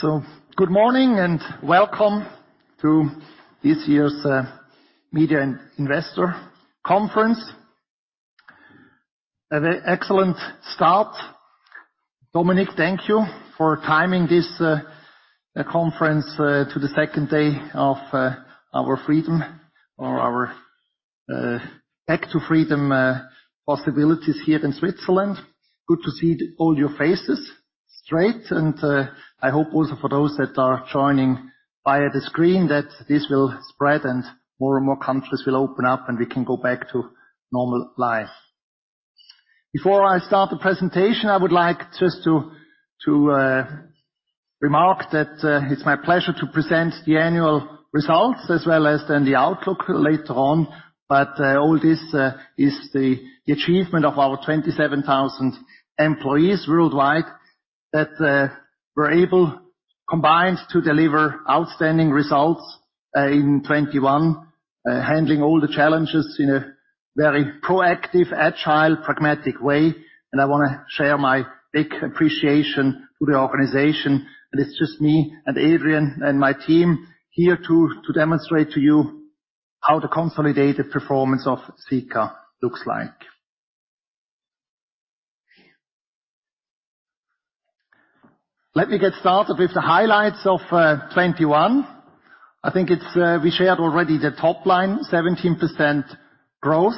Good morning and welcome to this year's Media and Investor Conference. Have an excellent start. Dominik, thank you for timing this conference to the second day of our freedom or our back to freedom possibilities here in Switzerland. Good to see all your faces straight. I hope also for those that are joining via the screen, that this will spread and more and more countries will open up, and we can go back to normal life. Before I start the presentation, I would like just to remark that it's my pleasure to present the annual results as well as then the outlook later on. All this is the achievement of our 27,000 employees worldwide that were able combined to deliver outstanding results in 2021. Handling all the challenges in a very proactive, agile, pragmatic way. I wanna share my big appreciation to the organization. It's just me, and Adrian, and my team here to demonstrate to you how the consolidated performance of Sika looks like. Let me get started with the highlights of 2021. I think we shared already the top line, 17% growth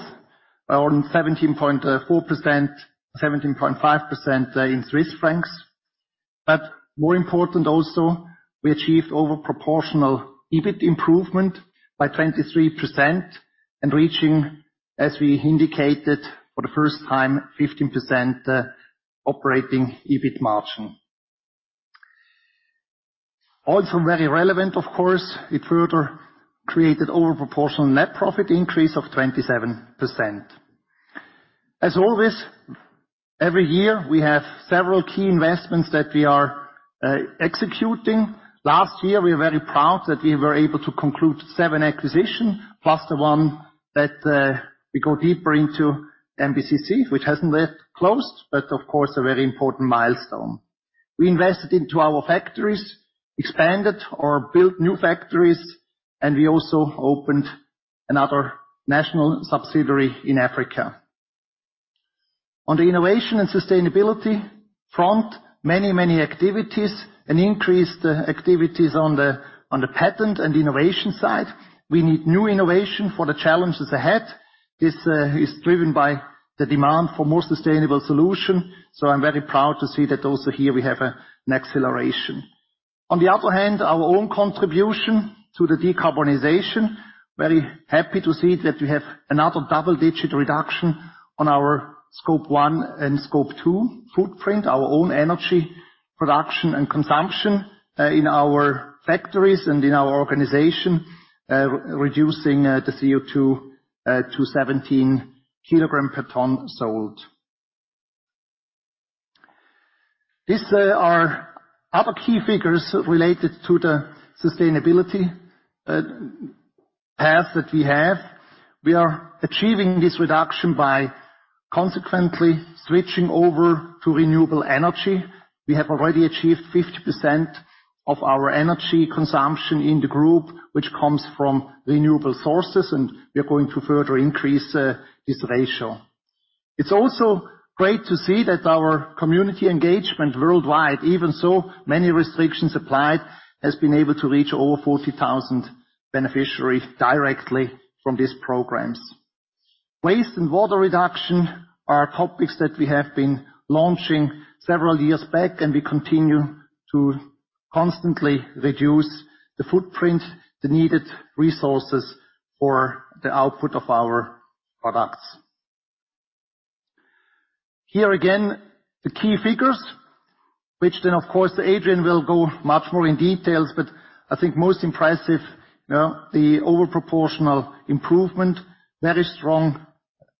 or 17.4%-17.5% in Swiss francs. But more important also, we achieved over proportional EBIT improvement by 23% and reaching, as we indicated for the first time, 15% operating EBIT margin. Also very relevant of course, it further created over proportional net profit increase of 27%. As always, every year we have several key investments that we are executing. Last year, we are very proud that we were able to conclude seven acquisitions, plus the one that we go deeper into MBCC, which hasn't yet closed, but of course, a very important milestone. We invested into our factories, expanded or built new factories, and we also opened another national subsidiary in Africa. On the innovation and sustainability front, many, many activities and increased activities on the patent and innovation side. We need new innovation for the challenges ahead, driven by the demand for more sustainable solutions. I'm very proud to see that also here we have an acceleration. On the other hand, our own contribution to the decarbonization. Very happy to see that we have another double-digit reduction on our Scope 1 and Scope 2 footprint, our own energy production and consumption in our factories and in our organization, reducing the CO2 to 17 kg per ton sold. These are other key figures related to the sustainability path that we have. We are achieving this reduction by consequently switching over to renewable energy. We have already achieved 50% of our energy consumption in the group, which comes from renewable sources, and we are going to further increase this ratio. It's also great to see that our community engagement worldwide, even so many restrictions applied, has been able to reach over 40,000 beneficiaries directly from these programs. Waste and water reduction are topics that we have been launching several years back, and we continue to constantly reduce the footprint, the needed resources for the output of our products. Here again, the key figures, which then, of course, Adrian will go much more in details. I think most impressive, the over proportional improvement, very strong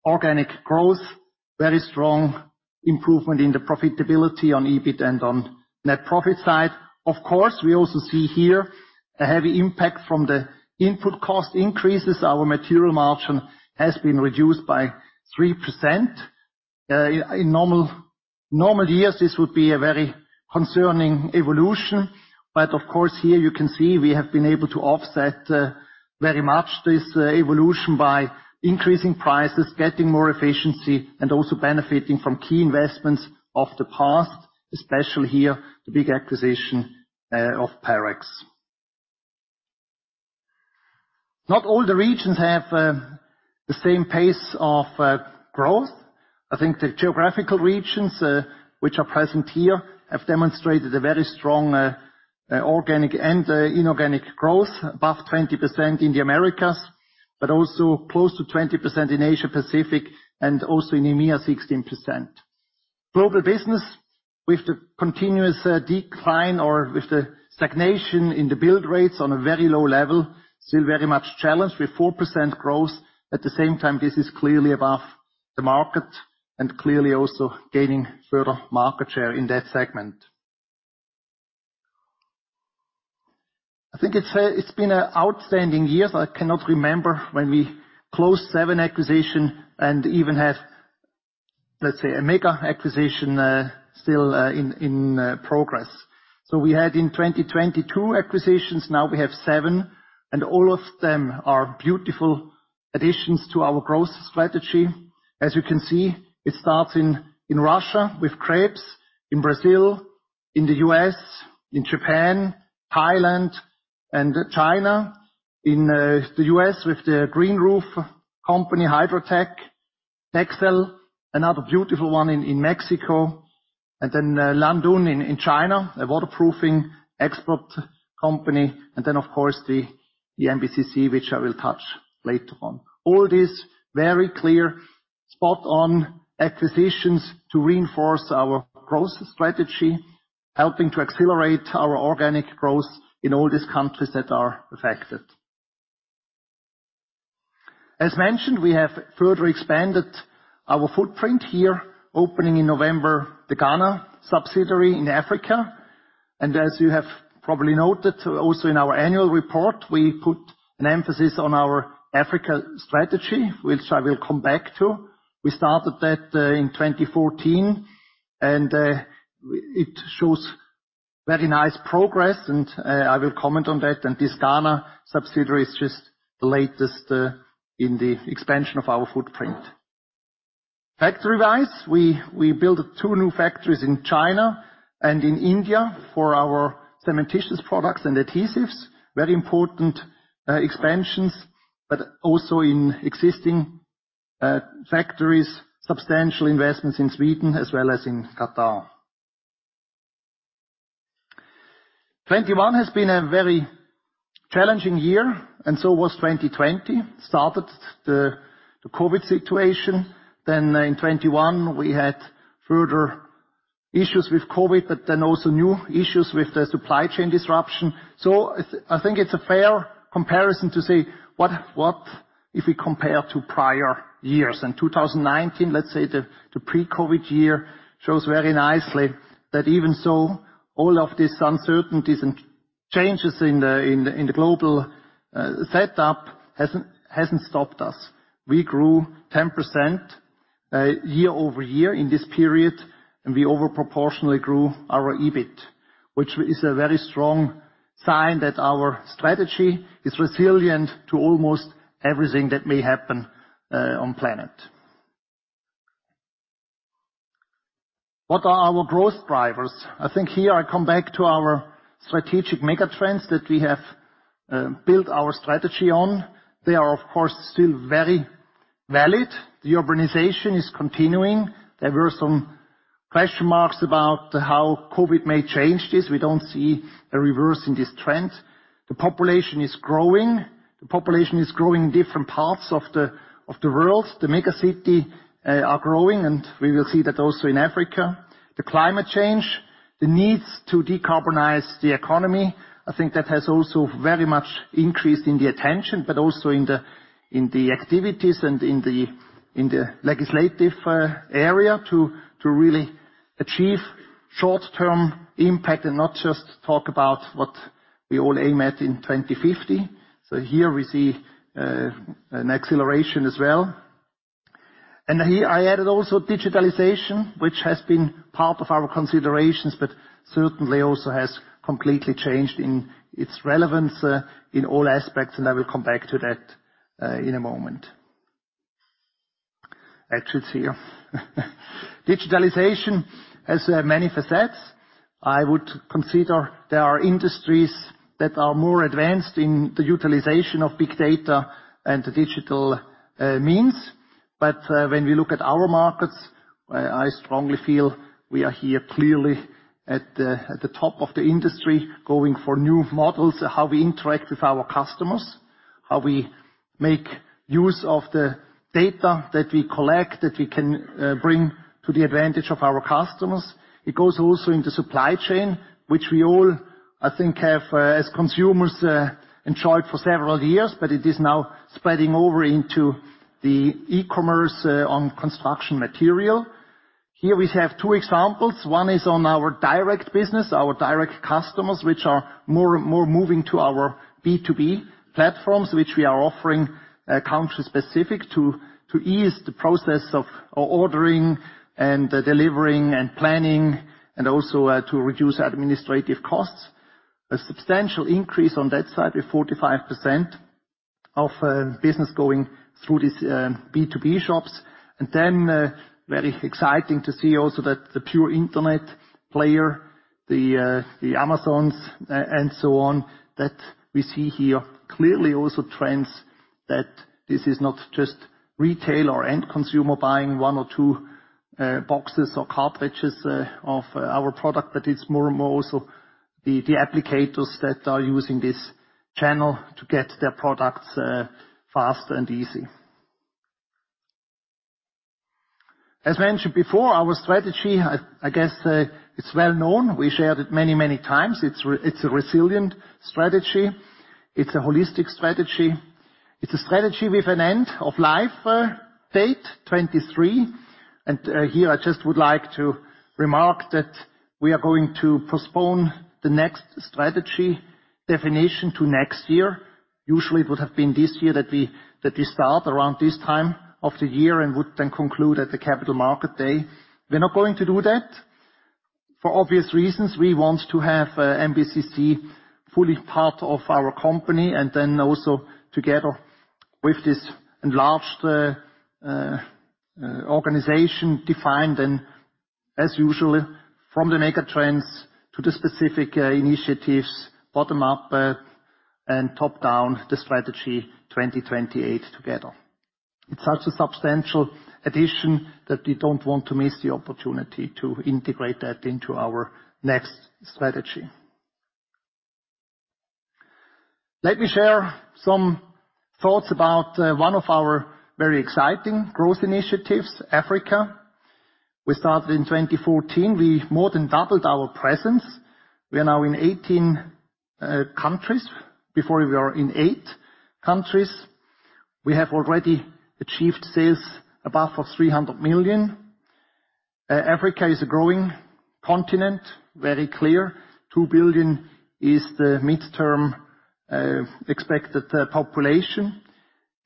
organic growth, very strong improvement in the profitability on EBIT and on net profit side. Of course, we also see here a heavy impact from the input cost increases. Our material margin has been reduced by 3%. In normal years, this would be a very concerning evolution. Of course, here you can see we have been able to offset very much this evolution by increasing prices, getting more efficiency, and also benefiting from key investments of the past, especially here, the big acquisition of Parex. Not all the regions have the same pace of growth. I think the geographical regions which are present here have demonstrated a very strong organic and inorganic growth above 20% in the Americas. Also close to 20% in Asia-Pacific and also in EMEA, 16%. Global business with the continuous decline or with the stagnation in the build rates on a very low level, still very much challenged with 4% growth. At the same time, this is clearly above the market and clearly also gaining further market share in that segment. I think it's been an outstanding year. I cannot remember when we closed seven acquisition and even have, let's say, a mega acquisition still in progress. We had in 2022 acquisitions, now we have seven, and all of them are beautiful additions to our growth strategy. As you can see, it starts in Russia with Kreps, in Brazil, in the U.S., in Japan, Thailand and China. In the U.S. with American Hydrotech. Bexel, another beautiful one in Mexico. Then Landun in China, a waterproofing export company. Then, of course, the MBCC, which I will touch later on. All this very clear spot on acquisitions to reinforce our growth strategy, helping to accelerate our organic growth in all these countries that are affected. As mentioned, we have further expanded our footprint here, opening in November the Ghana subsidiary in Africa. As you have probably noted also in our annual report, we put an emphasis on our Africa strategy, which I will come back to. We started that in 2014, and it shows very nice progress and I will comment on that. This Ghana subsidiary is just the latest in the expansion of our footprint. Factory-wise, we built two new factories in China and in India for our cementitious products and adhesives. Very important expansions, but also in existing factories, substantial investments in Sweden as well as in Qatar. 2021 has been a very challenging year, and 2020 was too. It started with the COVID situation. Then in 2021, we had further issues with COVID, but also new issues with the supply chain disruption. I think it's a fair comparison to say what if we compare to prior years. In 2019, let's say the pre-COVID year shows very nicely that even so, all of this uncertainties and changes in the global setup hasn't stopped us. We grew 10% year-over-year in this period, and we over proportionally grew our EBIT, which is a very strong sign that our strategy is resilient to almost everything that may happen on planet. What are our growth drivers? I think here I come back to our strategic mega-trends that we have built our strategy on. They are, of course, still very valid. The urbanization is continuing. There were some question marks about how COVID may change this. We don't see a reverse in this trend. The population is growing in different parts of the world. The megacities are growing, and we will see that also in Africa. The climate change, the needs to decarbonize the economy, I think that has also very much increased in the attention, but also in the activities and in the legislative area to really achieve short-term impact and not just talk about what we all aim at in 2050. Here we see an acceleration as well. Here I added also digitalization, which has been part of our considerations, but certainly also has completely changed in its relevance, in all aspects, and I will come back to that, in a moment. Actually, it's here. Digitalization has many facets. I would consider there are industries that are more advanced in the utilization of big data and the digital means. But when we look at our markets, I strongly feel we are here clearly at the top of the industry, going for new models, how we interact with our customers, how we make use of the data that we collect, that we can bring to the advantage of our customers. It goes also in the supply chain, which we all, I think, have as consumers enjoyed for several years, but it is now spreading over into the e-commerce on construction material. Here we have two examples. One is on our direct business, our direct customers, which are more and more moving to our B2B platforms, which we are offering country-specific to ease the process of ordering and delivering and planning, and also to reduce administrative costs. A substantial increase on that side, with 45% of business going through these B2B shops. Very exciting to see also that the pure internet player, the Amazons and so on, that we see here clearly also trends that this is not just retail or end consumer buying one or two boxes or cartridges of our product, but it's more and more also the applicators that are using this channel to get their products fast and easy. As mentioned before, our strategy, I guess, it's well known. We shared it many, many times. It's a resilient strategy. It's a holistic strategy. It's a strategy with an end of life date, 2023. Here I just would like to remark that we are going to postpone the next strategy definition to next year. Usually, it would have been this year that we start around this time of the year and would then conclude at the Capital Markets Day. We're not going to do that. For obvious reasons, we want to have MBCC fully part of our company, and then also together with this enlarged organization defined and, as usual, from the mega trends to the specific initiatives, bottom up and top down the strategy 2028 together. It's such a substantial addition that we don't want to miss the opportunity to integrate that into our next strategy. Let me share some thoughts about one of our very exciting growth initiatives, Africa. We started in 2014. We more than doubled our presence. We are now in 18 countries. Before we were in eight countries. We have already achieved sales above 300 million. Africa is a growing continent, very clear. Two billion is the midterm expected population.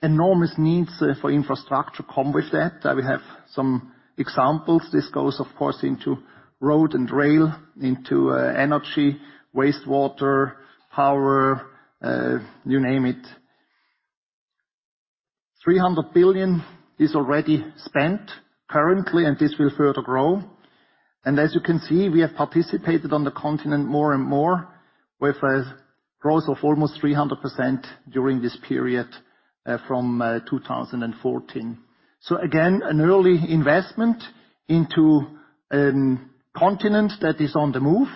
Enormous needs for infrastructure come with that. I will have some examples. This goes, of course, into road and rail, into energy, wastewater, power, you name it. $300 billion is already spent currently, and this will further grow. As you can see, we have participated on the continent more and more with a growth of almost 300% during this period from 2014. Again, an early investment into a continent that is on the move.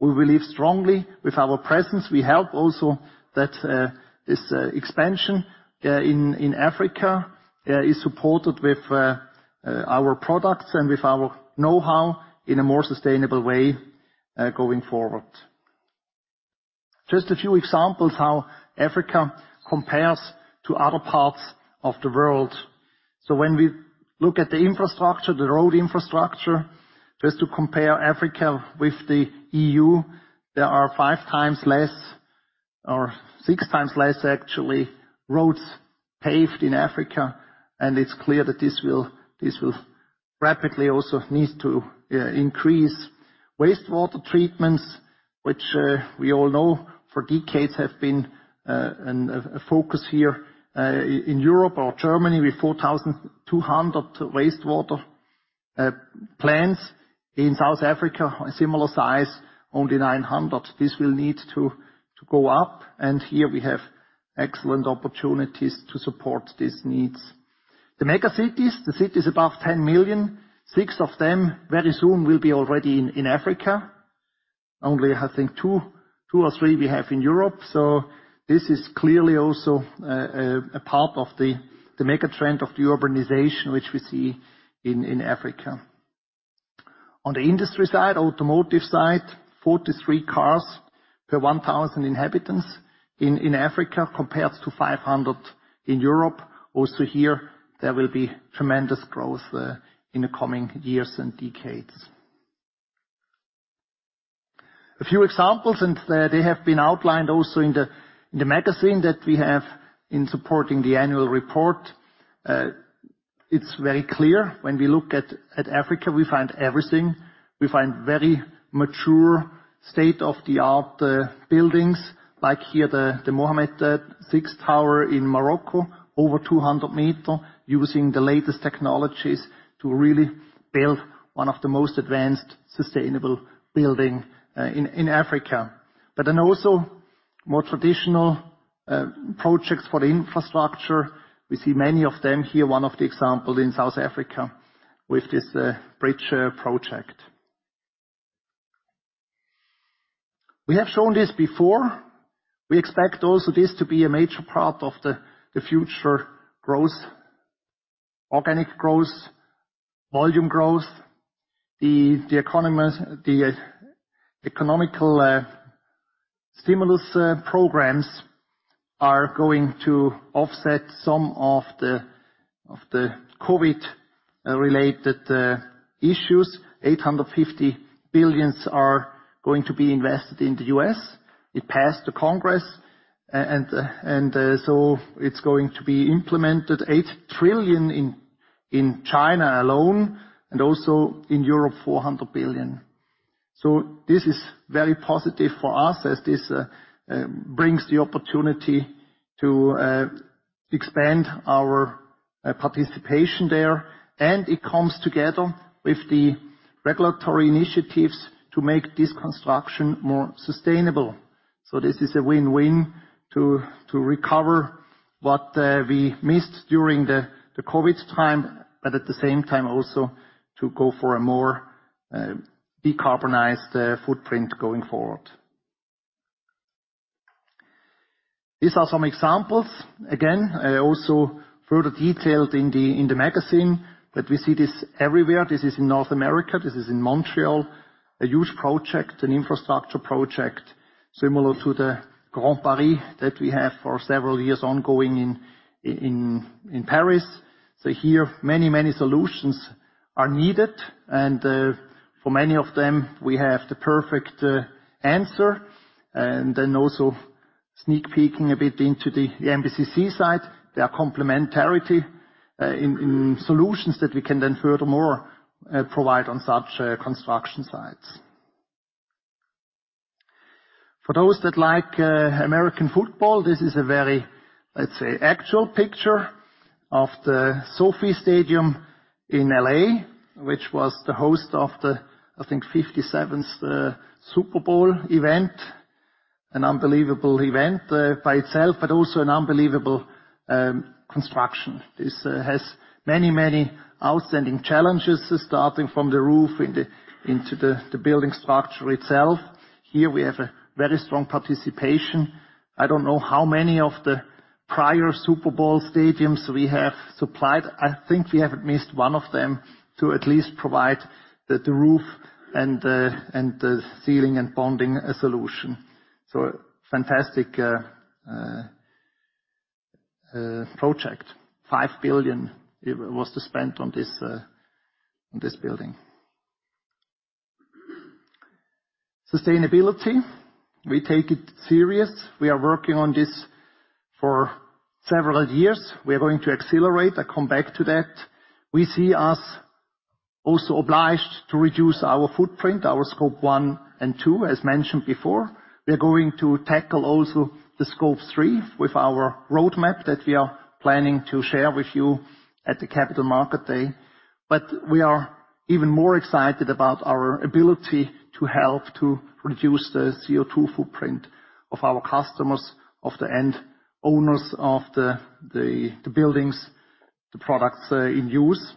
We believe strongly with our presence. We help also that this expansion in Africa is supported with our products and with our know-how in a more sustainable way going forward. Just a few examples how Africa compares to other parts of the world. When we look at the infrastructure, the road infrastructure, just to compare Africa with the EU, there are 5x less or 6xless actually roads paved in Africa. It's clear that this will rapidly also need to increase. Wastewater treatments, which we all know for decades have been a focus here in Europe or Germany, with 4,200 wastewater plants. In South Africa, a similar size, only 900. This will need to go up, and here we have excellent opportunities to support these needs. The megacities, the cities above 10 million, six of them very soon will be already in Africa. Only, I think two or three we have in Europe. This is clearly also a part of the mega trend of the urbanization which we see in Africa. On the industry side, automotive side, 43 cars per 1,000 inhabitants in Africa, compared to 500 in Europe. Also here, there will be tremendous growth in the coming years and decades. A few examples, they have been outlined also in the magazine that we have in supporting the annual report. It's very clear when we look at Africa, we find everything. We find very mature state-of-the-art buildings like here, the Mohammed VI Tower in Morocco, over 200 meter, using the latest technologies to really build one of the most advanced sustainable building in Africa. Also more traditional projects for the infrastructure. We see many of them here. One of the examples in South Africa with this, bridge, project. We have shown this before. We expect also this to be a major part of the future growth, organic growth, volume growth. The economical stimulus programs are going to offset some of the COVID-related issues. $850 billion are going to be invested in the U.S. It passed the Congress, so it's going to be implemented. 8 trillion in China alone and also in Europe, 400 billion. This is very positive for us as this brings the opportunity to expand our participation there. It comes together with the regulatory initiatives to make this construction more sustainable. This is a win-win to reCO2ver what we missed during the COVID time, but at the same time also to go for a more decarbonized footprint going forward. These are some examples, again also further detailed in the magazine, but we see this everywhere. This is in North America. This is in Montreal. A huge project, an infrastructure project, similar to the Grand Paris that we have for several years ongoing in Paris. Here, many solutions are needed, and for many of them, we have the perfect answer. Also sneak peeking a bit into the MBCC side, their complementarity in solutions that we can then furthermore provide on such construction sites. For those that like American football, this is a very, let's say, actual picture of the SoFi Stadium in L.A., which was the host of the, I think, 57th Super Bowl event. An unbelievable event by itself, but also an unbelievable construction. This has many, many outstanding challenges, starting from the roof into the building structure itself. Here we have a very strong participation. I don't know how many of the prior Super Bowl stadiums we have supplied. I think we haven't missed one of them to at least provide the roof and the ceiling and bonding solution. Fantastic project. $5 billion was spent on this building. Sustainability. We take it serious. We are working on this for several years. We are going to accelerate. I come back to that. We see us also obliged to reduce our footprint, our Scope 1 and 2, as mentioned before. We are going to tackle also the Scope 3 with our roadmap that we are planning to share with you at the Capital Markets Day. We are even more excited about our ability to help to reduce the CO2 footprint of our customers, of the end owners of the buildings, the products, in use.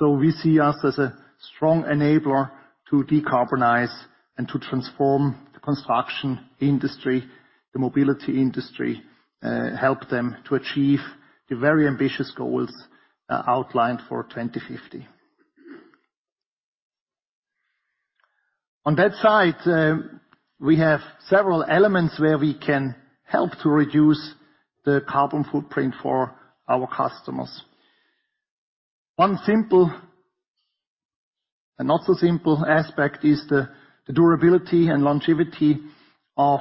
We see us as a strong enabler to decarbonize and to transform the construction industry, the mobility industry, help them to achieve the very ambitious goals outlined for 2050. On that side, we have several elements where we can help to reduce the carbon footprint for our customers. One simple and not so simple aspect is the durability and longevity of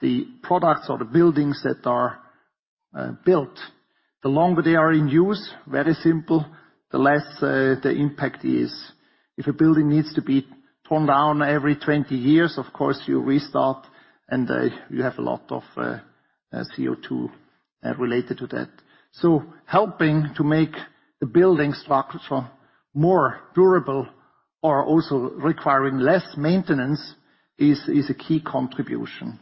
the products or the buildings that are built. The longer they are in use, very simple, the less the impact is. If a building needs to be torn down every 20 years, of course, you restart and you have a lot of CO2 related to that. Helping to make the building structure more durable or also requiring less maintenance is a key contribution.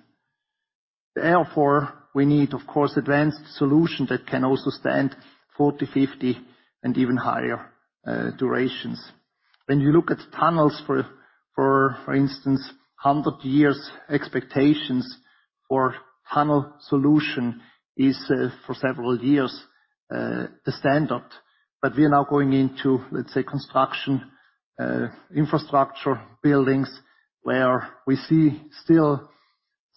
Therefore, we need, of course, advanced solution that can also stand 40, 50 and even higher durations. When you look at tunnels, for instance, 100 years expectations for tunnel solution is for several years a standard. We are now going into, let's say, construction, infrastructure buildings, where we see still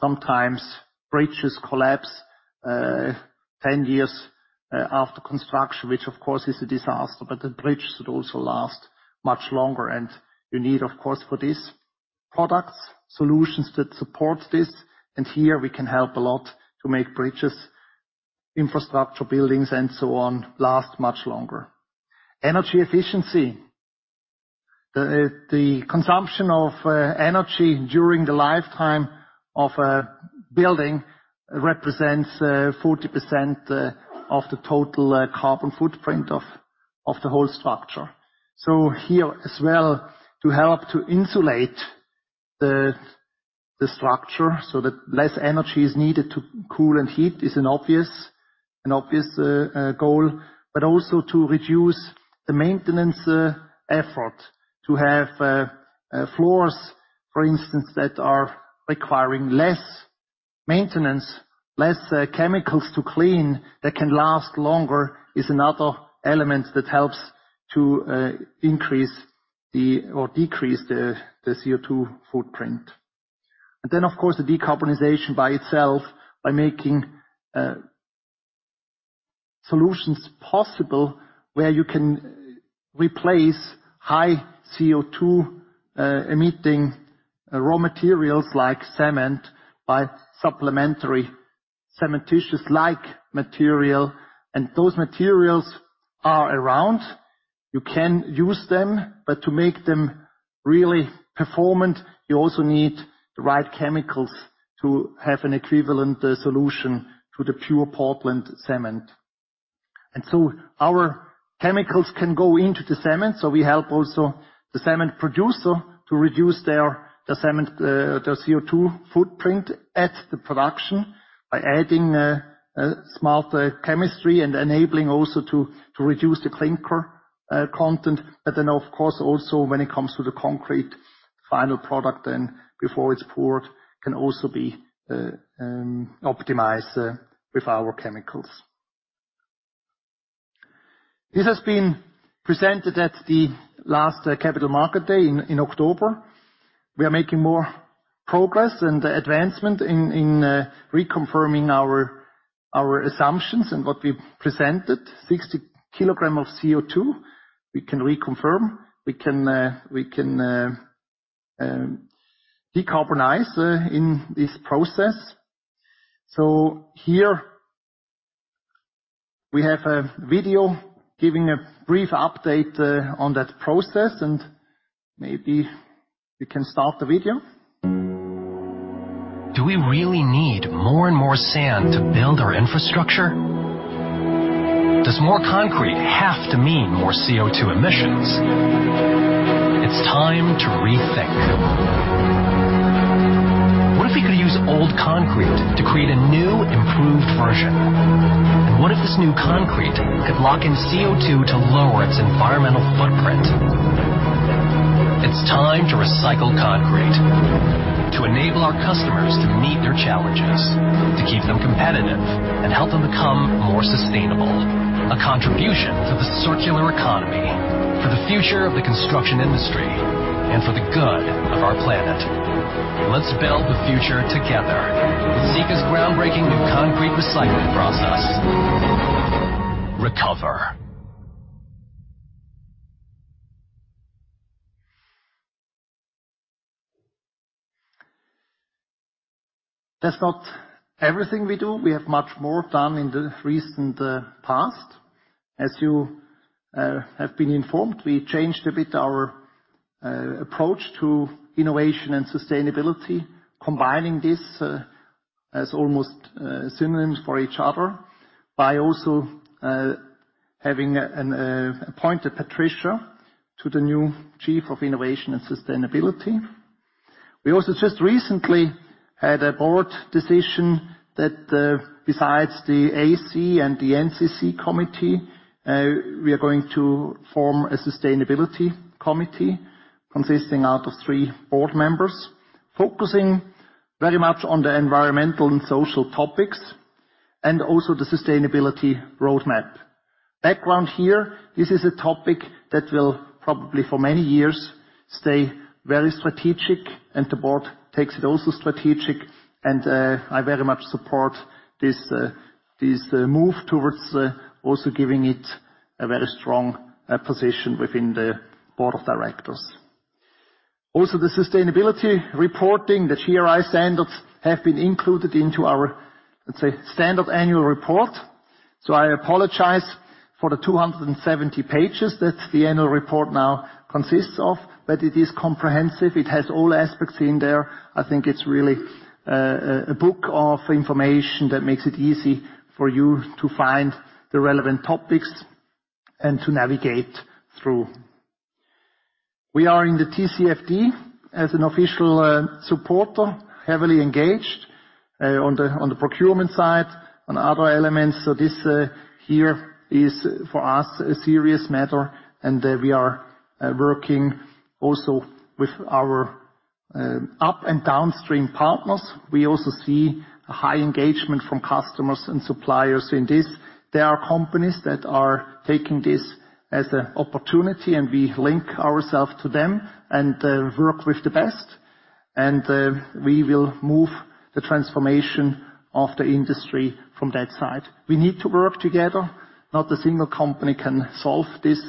sometimes bridges collapse, 10 years after construction, which of course is a disaster, but the bridge should also last much longer. You need, of course, for these products, solutions that support this. Here we can help a lot to make bridges, infrastructure, buildings and so on last much longer. Energy efficiency. The consumption of energy during the lifetime of a building represents 40% of the total carbon footprint of the whole structure. Here as well, to help to insulate the structure so that less energy is needed to cool and heat is an obvious goal, but also to reduce the maintenance effort. To have floors, for instance, that are requiring less maintenance, less chemicals to clean that can last longer is another element that helps to decrease the CO2 footprint. Then, of course, the decarbonization by itself by making solutions possible where you can replace high CO2 emitting raw materials like cement by supplementary cementitious materials. Those materials are around, you can use them, but to make them really performant, you also need the right chemicals to have an equivalent solution to the pure Portland cement. Our chemicals can go into the cement. We help also the cement producer to reduce their cement CO2 footprint at the production by adding smart chemistry and enabling also to reduce the clinker content. Of course, also when it comes to the concrete final product, then before it's poured, can also be optimized with our chemicals. This has been presented at the last Capital Markets Day in October. We are making more progress and advancement in reconfirming our assumptions and what we presented. 60 kg of CO2, we can reconfirm. We can decarbonize in this process. Here we have a video giving a brief update on that process, and maybe we can start the video. Do we really need more and more sand to build our infrastructure? Does more concrete have to mean more CO2 emissions? It's time to rethink. What if we could use old concrete to create a new, improved version? What if this new concrete could lock in CO2 to lower its environmental footprint? It's time to recycle concrete. To enable our customers to meet their challenges. To keep them competitive and help them become more sustainable. A contribution to the circular economy, for the future of the construction industry, and for the good of our planet. Let's build the future together with Sika's groundbreaking new concrete recycling process. reCO2ver. That's not everything we do. We have much more done in the recent past. As you have been informed, we changed a bit our approach to innovation and sustainability, combining this as almost synonyms for each other by also having appointed Patricia to the new Chief of Innovation and Sustainability. We also just recently had a board decision that, besides the AC and the NCC committee, we are going to form a sustainability committee consisting out of three board members, focusing very much on the environmental and social topics and also the sustainability roadmap. Background here, this is a topic that will probably for many years stay very strategic and the board takes it also strategic and I very much support this move towards also giving it a very strong position within the board of directors. Also, the sustainability reporting, the GRI standards have been included into our, let's say, standard annual report. I apologize for the 270 pages that the annual report now consists of, but it is comprehensive. It has all aspects in there. I think it's really a book of information that makes it easy for you to find the relevant topics and to navigate through. We are in the TCFD as an official supporter, heavily engaged on the procurement side and other elements. This here is for us a serious matter, and we are working also with our up- and downstream partners. We also see a high engagement from customers and suppliers in this. There are companies that are taking this as an opportunity, and we link ourselves to them and work with the best, and we will move the transformation of the industry from that side. We need to work together. Not a single company can solve this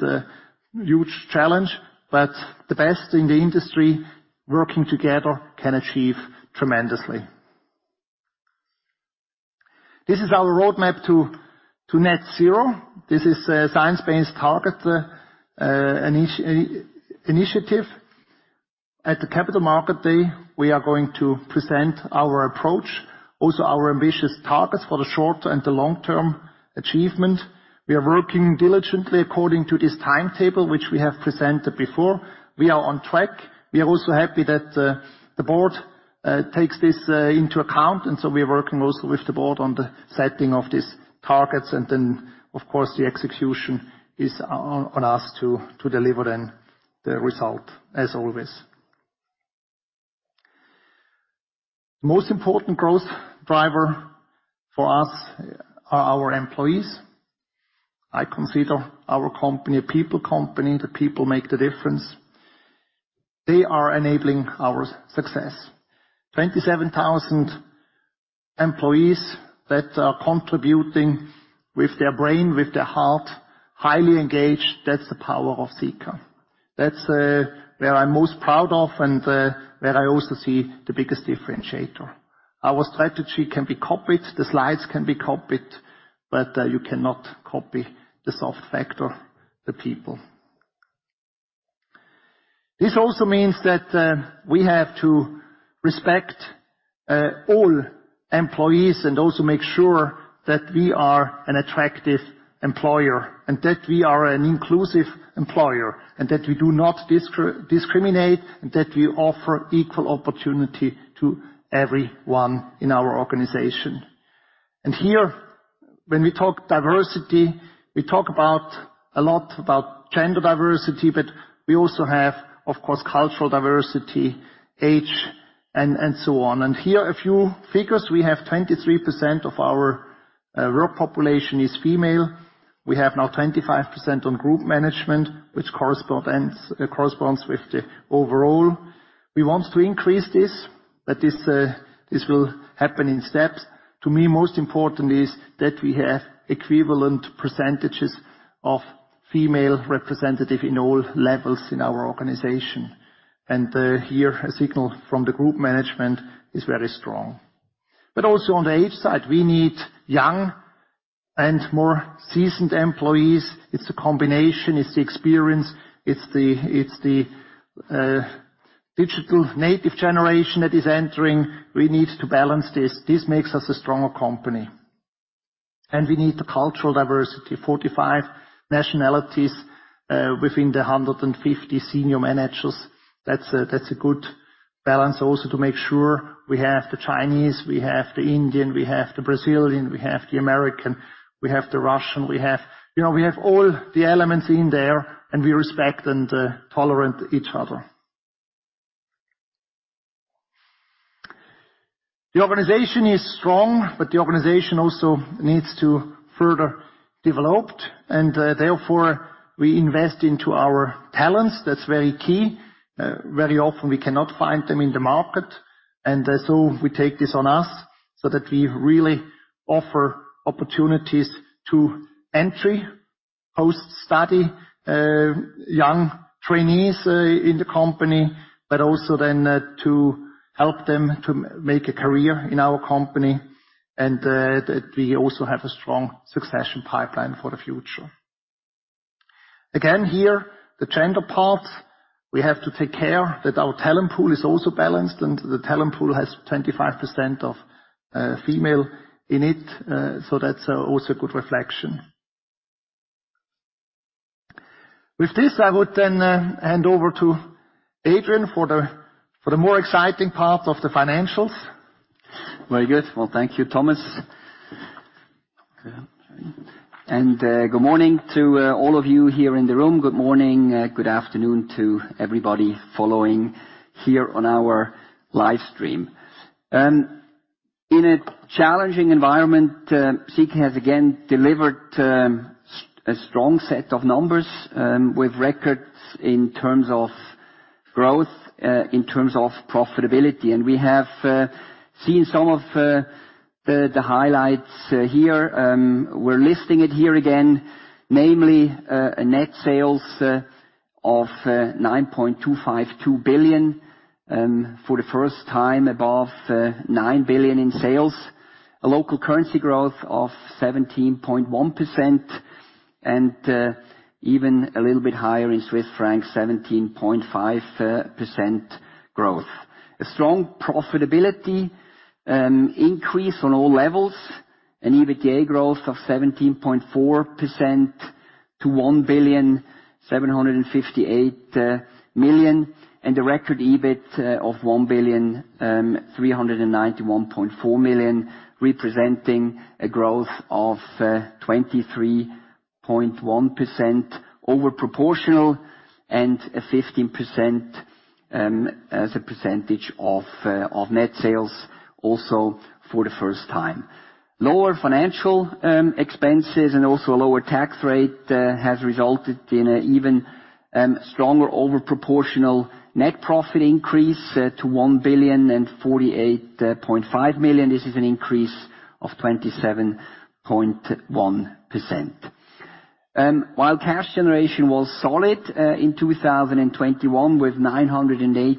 huge challenge, but the best in the industry working together can achieve tremendously. This is our roadmap to net zero. This is a Science Based Targets initiative. At the Capital Markets Day, we are going to present our approach, also our ambitious targets for the short- and long-term achievement. We are working diligently according to this timetable, which we have presented before. We are on track. We are also happy that the board takes this into account, and so we are working also with the board on the setting of these targets. Then, of course, the execution is on us to deliver then the result, as always. Most important growth driver for us are our employees. I consider our company a people company. The people make the difference. They are enabling our success. 27,000 employees that are contributing with their brain, with their heart, highly engaged. That's the power of Sika. That's where I'm most proud of, and where I also see the biggest differentiator. Our strategy can be copied, the slides can be copied, but you cannot copy the soft factor, the people. This also means that we have to respect all employees and also make sure that we are an attractive employer, and that we are an inclusive employer, and that we do not discriminate, and that we offer equal opportunity to everyone in our organization. Here, when we talk diversity, we talk about a lot about gender diversity, but we also have, of course, cultural diversity, age, and so on. Here a few figures. We have 23% of our work population is female. We have now 25% on group management, which corresponds with the overall. We want to increase this, but this will happen in steps. To me, most important is that we have equivalent percentages of female representation in all levels in our organization. Here, a signal from the group management is very strong. Also on the age side, we need young and more seasoned employees. It's a combination. It's the experience, it's the digital native generation that is entering. We need to balance this. This makes us a stronger company. We need the cultural diversity. 45 nationalities within the 150 senior managers. That's a good balance also to make sure we have the Chinese, we have the Indian, we have the Brazilian, we have the American, we have the Russian. You know, we have all the elements in there, and we respect and tolerant each other. The organization is strong, but the organization also needs to further developed. Therefore, we invest into our talents. That's very key. Very often we cannot find them in the market, and so we take this on us so that we really offer opportunities to entry post-study young trainees in the company, but also then to help them to make a career in our company, and that we also have a strong succession pipeline for the future. Again, here, the gender part, we have to take care that our talent pool is also balanced, and the talent pool has 25% of female in it, so that's also a good reflection. With this, I would then hand over to Adrian for the more exciting part of the financials. Very good. Well, thank you, Thomas. Okay. Good morning to all of you here in the room. Good morning, good afternoon to everybody following here on our live stream. In a challenging environment, Sika has again delivered, a strong set of numbers, with records in terms of growth, in terms of profitability. We have seen some of the highlights here, we're listing it here again, namely, a net sales of 9.252 billion, for the first time above 9 billion in sales. A local currency growth of 17.1%, and even a little bit higher in Swiss francs, 17.5% growth. A strong profitability increase on all levels. An EBITDA growth of 17.4% to 1,758 million. A record EBIT of 1,391.4 million, representing a growth of 23.1% over proportional and a 15% as a percentage of net sales also for the first time. Lower financial expenses and also a lower tax rate has resulted in an even stronger over proportional net profit increase to 1,048.5 million. This is an increase of 27.1%. While cash generation was solid in 2021 with 908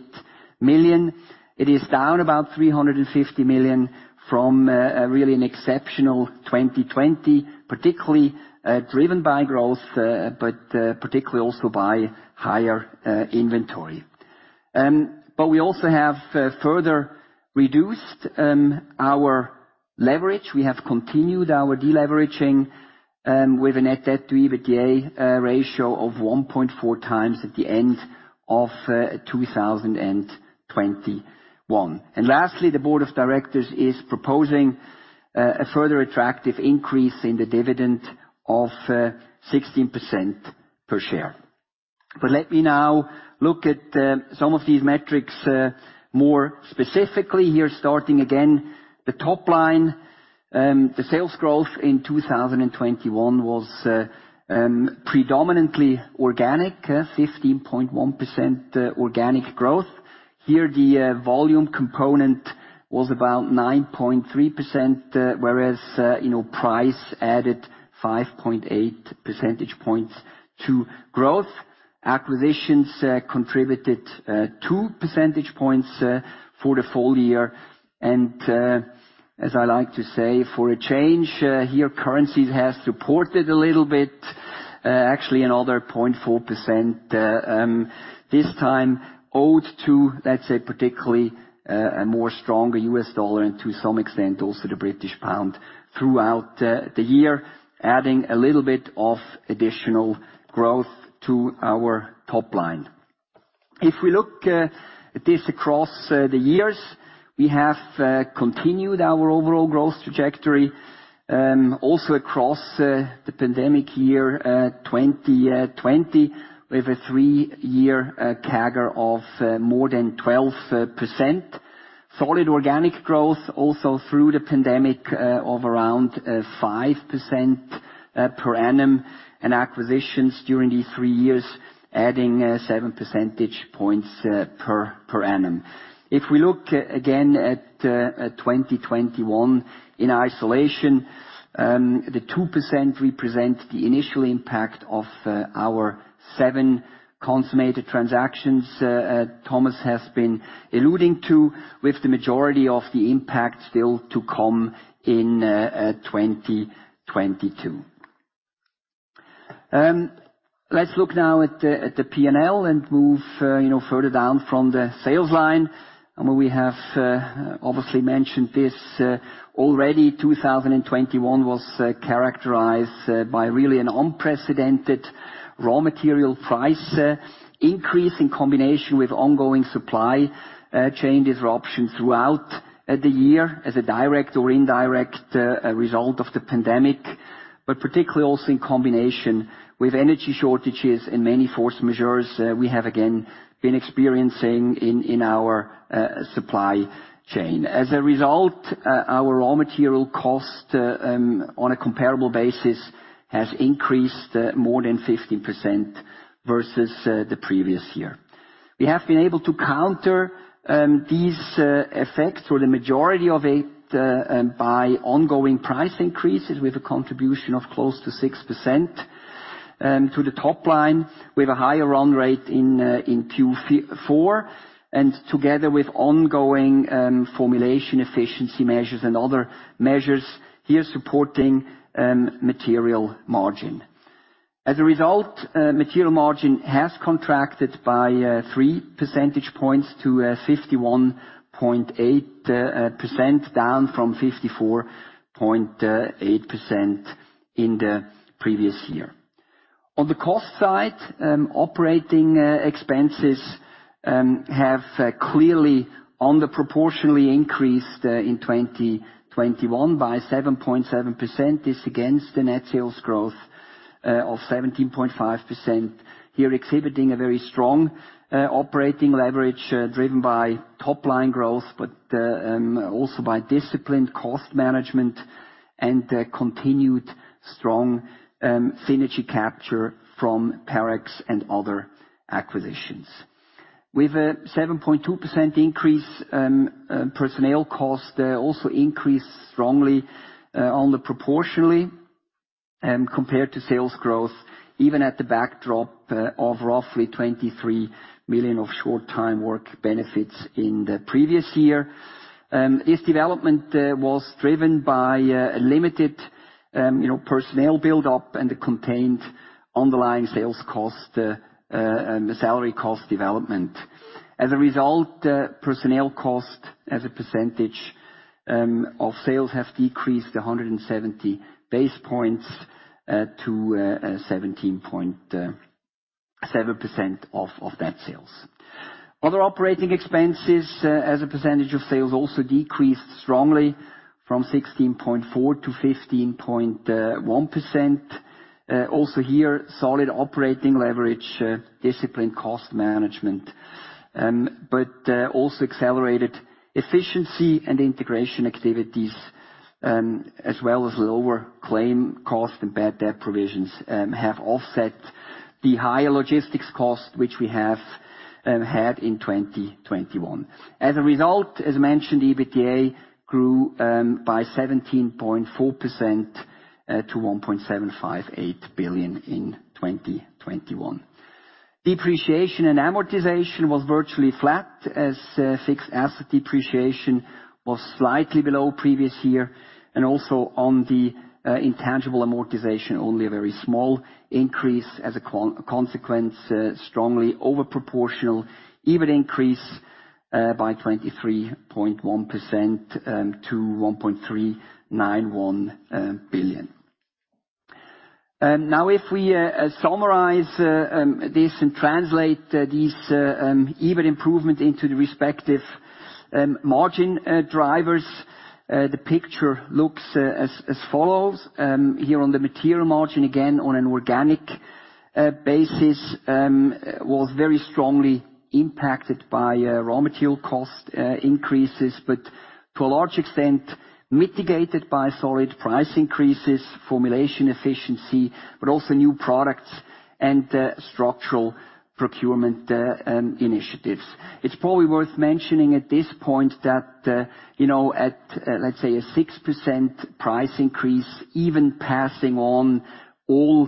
million, it is down about 350 million from really an exceptional 2020, particularly driven by growth, but particularly also by higher inventory. We also have further reduced our leverage. We have continued our deleveraging with a net debt-to-EBITDA ratio of 1.4x at the end of 2021. Lastly, the board of directors is proposing a further attractive increase in the dividend of 16% per share. Let me now look at some of these metrics more specifically here, starting again, the top line. The sales growth in 2021 was predominantly organic 15.1% organic growth. Here, the volume component was about 9.3%, whereas you know, price added 5.8 percentage points to growth. Acquisitions contributed 2 percentage points for the full year. As I like to say, for a change, here currencies has supported a little bit, actually another 0.4%, this time owed to, let's say, particularly, a more stronger U.S. dollar and to some extent also the British pound throughout the year, adding a little bit of additional growth to our top line. If we look at this across the years. We have continued our overall growth trajectory, also across the pandemic year, 2020. We have a three-year CAGR of more than 12%. Solid organic growth also through the pandemic of around 5% per annum, and acquisitions during these three years adding seven percentage points per annum. If we look again at 2021 in isolation, the 2% represents the initial impact of our seven consummated transactions Thomas has been alluding to, with the majority of the impact still to come in 2022. Let's look now at the P&L and move, you know, further down from the sales line. We have obviously mentioned this already. 2021 was characterized by really an unprecedented raw material price increase in combination with ongoing supply chain disruptions throughout the year as a direct or indirect result of the pandemic. Particularly also in combination with energy shortages and many force majeures, we have again been experiencing in our supply chain. As a result, our raw material cost, on a comparable basis, has increased more than 15% versus the previous year. We have been able to counter these effects or the majority of it by ongoing price increases with a contribution of close to 6% to the top line. We have a higher run rate in Q4, and together with ongoing formulation efficiency measures and other measures here supporting material margin. As a result, material margin has contracted by 3 percentage points to 51.8%, down from 54.8% in the previous year. On the cost side, operating expenses have clearly under proportionally increased in 2021 by 7.7%. This against the net sales growth of 17.5%. Here exhibiting a very strong operating leverage driven by top-line growth, but also by disciplined cost management and continued strong synergy capture from Parex and other acquisitions. With a 7.2% increase, personnel costs also increased strongly under proportionally compared to sales growth, even at the backdrop of roughly 23 million of short time work benefits in the previous year. This development was driven by a limited you know personnel build up and a contained underlying salary cost development. As a result, personnel cost as a percentage of sales have decreased 170 basis points to 17.7% of net sales. Other operating expenses as a percentage of sales also decreased strongly from 16.4% to 15.1%. Also here, solid operating leverage, disciplined cost management, but also accelerated efficiency and integration activities, as well as lower claim cost and bad debt provisions, have offset the higher logistics cost which we had in 2021. As a result, as mentioned, EBITDA grew by 17.4% to CHF 1.758 billion in 2021. Depreciation and amortization was virtually flat as fixed asset depreciation was slightly below previous year. Also on the intangible amortization, only a very small increase as a consequence, strongly over proportional EBIT increase by 23.1% to 1.391 billion. Now if we summarize this and translate these EBIT improvement into the respective margin drivers, the picture looks as follows. Here on the material margin, again, on an organic basis, was very strongly impacted by raw material cost increases, but to a large extent mitigated by solid price increases, formulation efficiency, but also new products and structural procurement initiatives. It's probably worth mentioning at this point that you know, at let's say a 6% price increase, even passing on all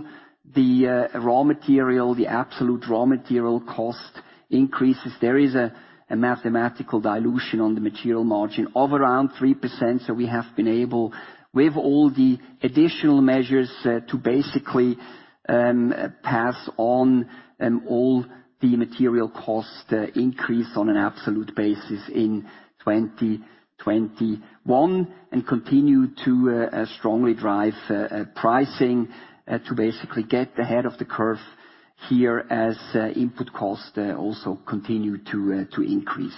the raw material, the absolute raw material cost increases, there is a mathematical dilution on the material margin of around 3%. We have been able, with all the additional measures, to basically pass on all the material cost increase on an absolute basis in 2021 and continue to strongly drive pricing to basically get ahead of the curve here as input costs also continue to increase.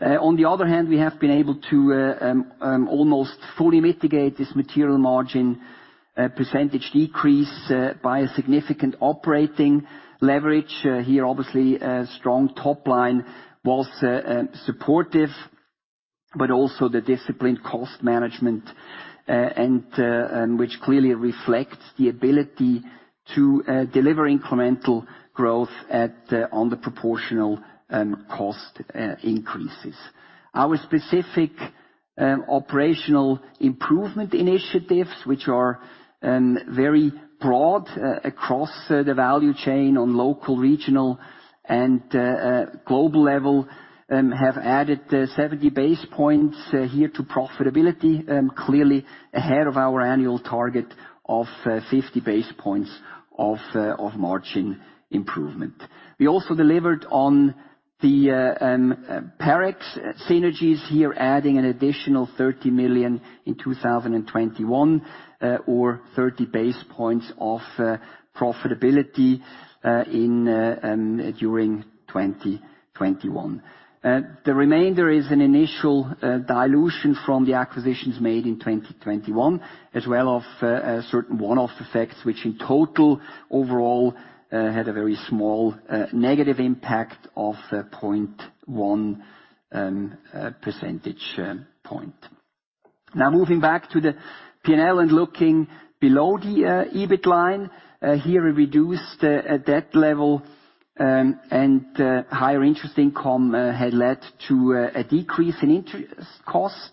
On the other hand, we have been able to almost fully mitigate this material margin percentage decrease by a significant operating leverage. Here, obviously, a strong top line was supportive, but also the disciplined cost management, which clearly reflects the ability to deliver incremental growth on the proportional cost increases. Our specific operational improvement initiatives, which are very broad across the value chain on local, regional, and global level, have added 70 basis points here to profitability. Clearly ahead of our annual target of 50 basis points of margin improvement. We also delivered on the Parex synergies here, adding an additional 30 million in 2021, or 30 basis points of profitability during 2021. The remainder is an initial dilution from the acquisitions made in 2021, as well as a certain one-off effects, which in total overall had a very small negative impact of 0.1 percentage point. Now moving back to the P&L and looking below the EBIT line. A reduced debt level and higher interest income had led to a decrease in interest cost,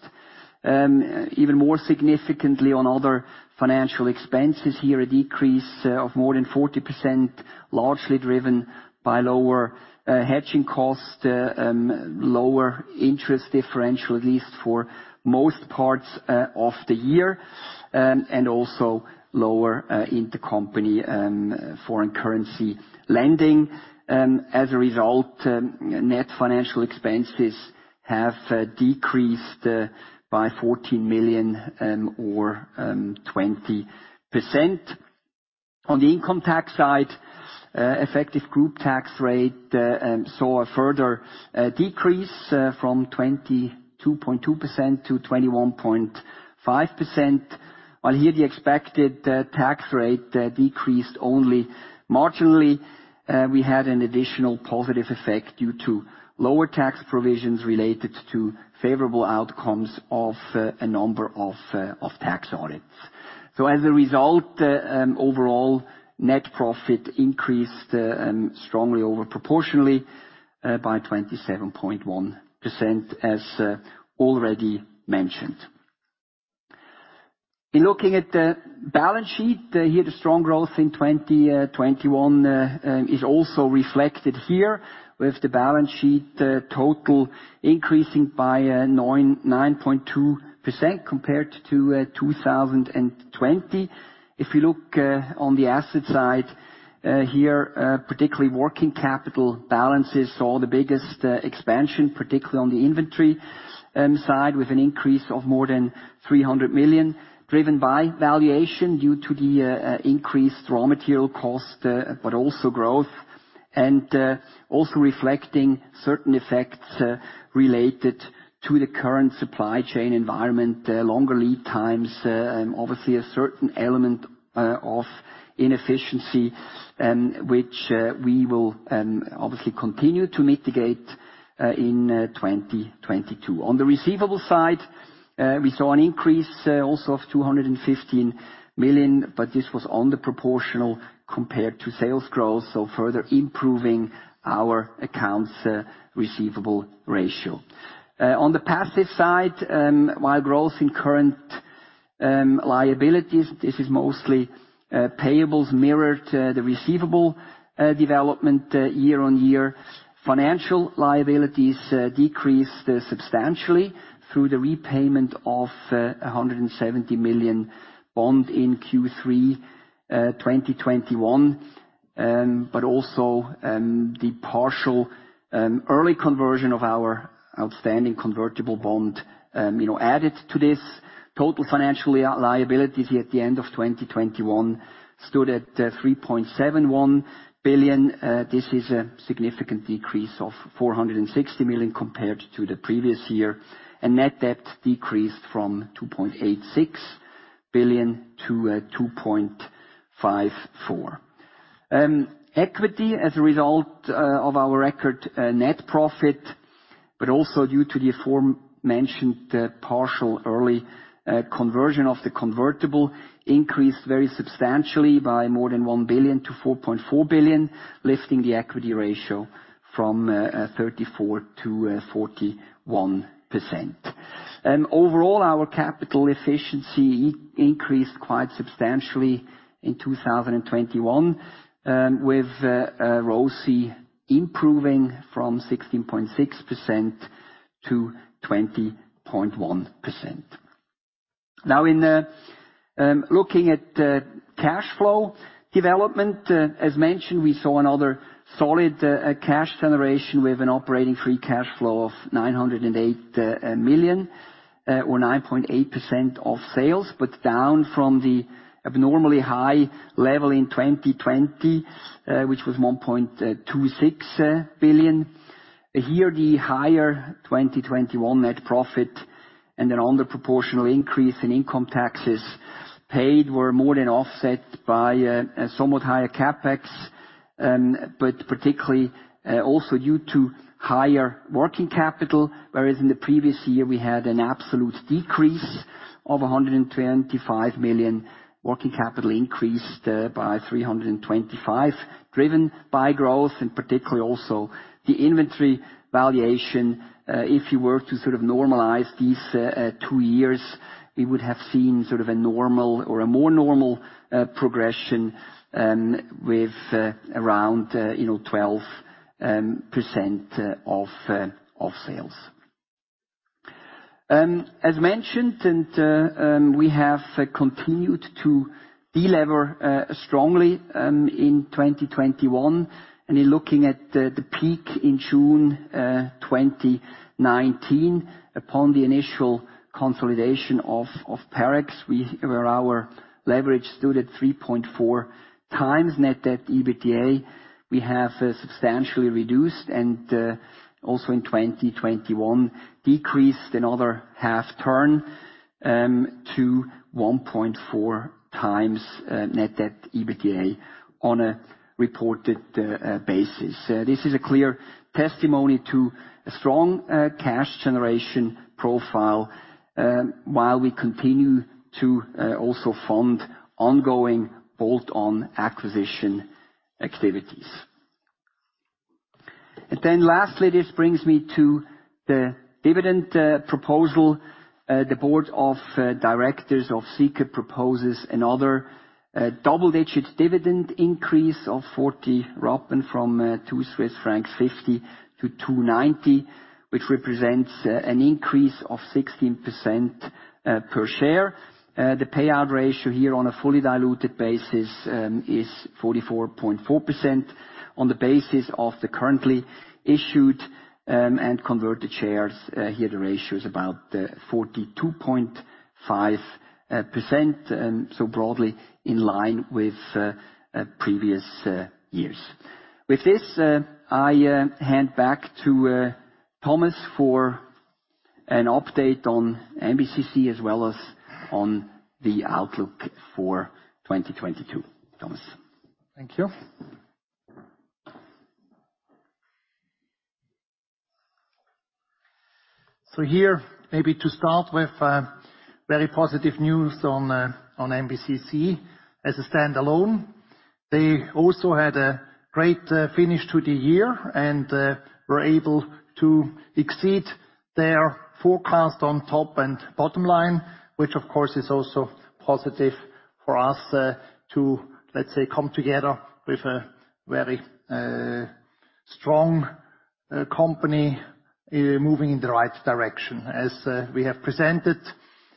even more significantly on other financial expenses. Here, a decrease of more than 40%, largely driven by lower hedging costs, lower interest differential, at least for most parts of the year, and also lower intercompany foreign currency lending. As a result, net financial expenses have decreased by 14 million or 20%. On the income tax side, effective group tax rate saw a further decrease from 22.2% to 21.5%, while here the expected tax rate decreased only marginally. We had an additional positive effect due to lower tax provisions related to favorable outcomes of a number of tax audits. As a result, overall net profit increased strongly over proportionally by 27.1%, as already mentioned. In looking at the balance sheet, here the strong growth in 2021 is also reflected here, with the balance sheet total increasing by 9.2% compared to 2020. If you look on the asset side, here particularly working capital balances saw the biggest expansion, particularly on the inventory side, with an increase of more than 300 million, driven by valuation due to the increased raw material cost, but also growth. Also reflecting certain effects related to the current supply chain environment, longer lead times, obviously a certain element of inefficiency, which we will obviously continue to mitigate in 2022. On the receivable side, we saw an increase also of 215 million, but this was not proportional compared to sales growth, so further improving our accounts receivable ratio. On the payables side, while growth in current liabilities, this is mostly payables mirrored the receivable development year-over-year. Financial liabilities decreased substantially through the repayment of a 170 million bond in Q3 2021. But also the partial early conversion of our outstanding convertible bond, you know, added to this. Total financial liability at the end of 2021 stood at 3.71 billion. This is a significant decrease of 460 million compared to the previous year. Net debt decreased from 2.86 billion to 2.54 billion. Equity as a result of our record net profit, but also due to the aforementioned partial early conversion of the convertible, increased very substantially by more than 1 billion-4.4 billion, lifting the equity ratio from 34% to 41%. Overall, our capital efficiency increased quite substantially in 2021, with ROCE improving from 16.6% to 20.1%. Now, in looking at the cash flow development, as mentioned, we saw another solid cash generation. We have an operating free cash flow of 908 million or 9.8% of sales, down from the abnormally high level in 2020, which was 1.26 billion. Here, the higher 2021 net profit and an under proportional increase in income taxes paid were more than offset by a somewhat higher CapEx, particularly also due to higher working capital, whereas in the previous year we had an absolute decrease of 125 million. Working capital increased by 325 million, driven by growth and particularly also the inventory valuation. If you were to sort of normalize these two years, we would have seen sort of a normal or a more normal progression with around, you know, 12% of sales. As mentioned, we have continued to delever strongly in 2021. In looking at the peak in June 2019, upon the initial consolidation of Parex, where our leverage stood at 3.4x net debt-to-EBITDA, we have substantially reduced and also in 2021 decreased another half turn to 1.4x net debt-to-EBITDA on a reported basis. This is a clear testimony to a strong cash generation profile while we continue to also fund ongoing bolt-on acquisition activities. Lastly, this brings me to the dividend proposal. The board of directors of Sika proposes another double-digit dividend increase of 40 Rappen from 2.50 Swiss francs to 2.90, which represents an increase of 16% per share. The payout ratio here on a fully diluted basis is 44.4%. On the basis of the currently issued and converted shares, here the ratio is about 42.5%. Broadly in line with previous years. With this, I hand back to Thomas for an update on MBCC as well as on the outlook for 2022. Thomas. Thank you. Here, maybe to start with, very positive news on MBCC. As a stand-alone, they also had a great finish to the year, and were able to exceed their forecast on top and bottom line, which of course is also positive for us, to, let's say, come together with a very strong company moving in the right direction. As we have presented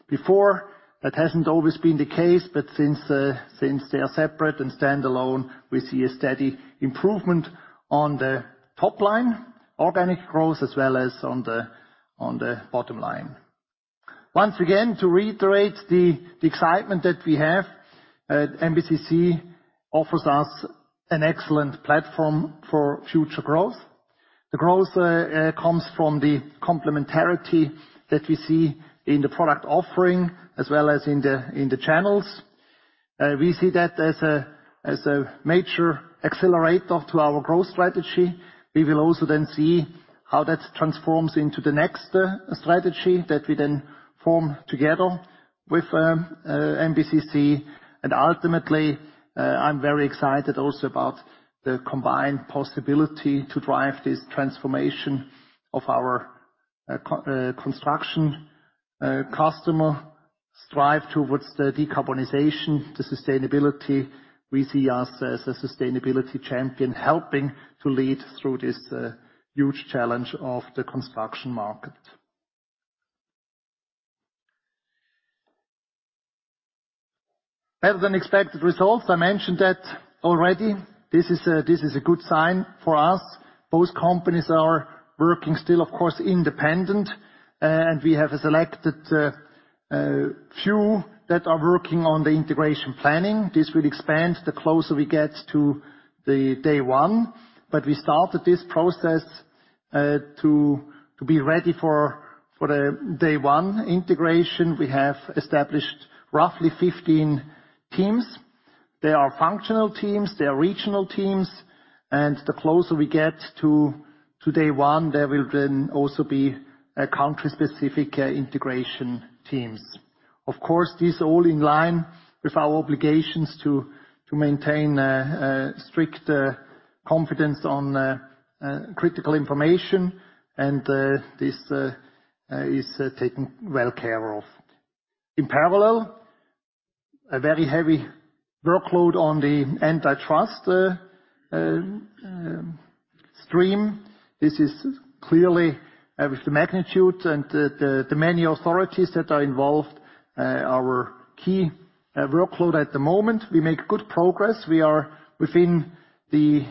before, that hasn't always been the case, but since they are separate and stand-alone, we see a steady improvement on the top line, organic growth, as well as on the bottom line. Once again, to reiterate the excitement that we have, MBCC offers us an excellent platform for future growth. The growth comes from the complementarity that we see in the product offering as well as in the channels. We see that as a major accelerator to our growth strategy. We will also then see how that transforms into the next strategy that we then form together with MBCC. Ultimately, I'm very excited also about the combined possibility to drive this transformation of our construction customer drive towards the decarbonization, the sustainability. We see us as a sustainability champion helping to lead through this huge challenge of the construction market. Better-than-expected results, I mentioned that already. This is a good sign for us. Both companies are working still, of course, independent, and we have selected a few that are working on the integration planning. This will expand the closer we get to the day one. We started this process to be ready for the day-one integration. We have established roughly 15 teams. They are functional teams. They are regional teams. The closer we get to day one, there will then also be country-specific integration teams. Of course, this is all in line with our obligations to maintain strict confidence on critical information and this is taken well care of. In parallel, a very heavy workload on the antitrust stream. This is clearly, with the magnitude and the many authorities that are involved, our key workload at the moment. We make good progress. We are within the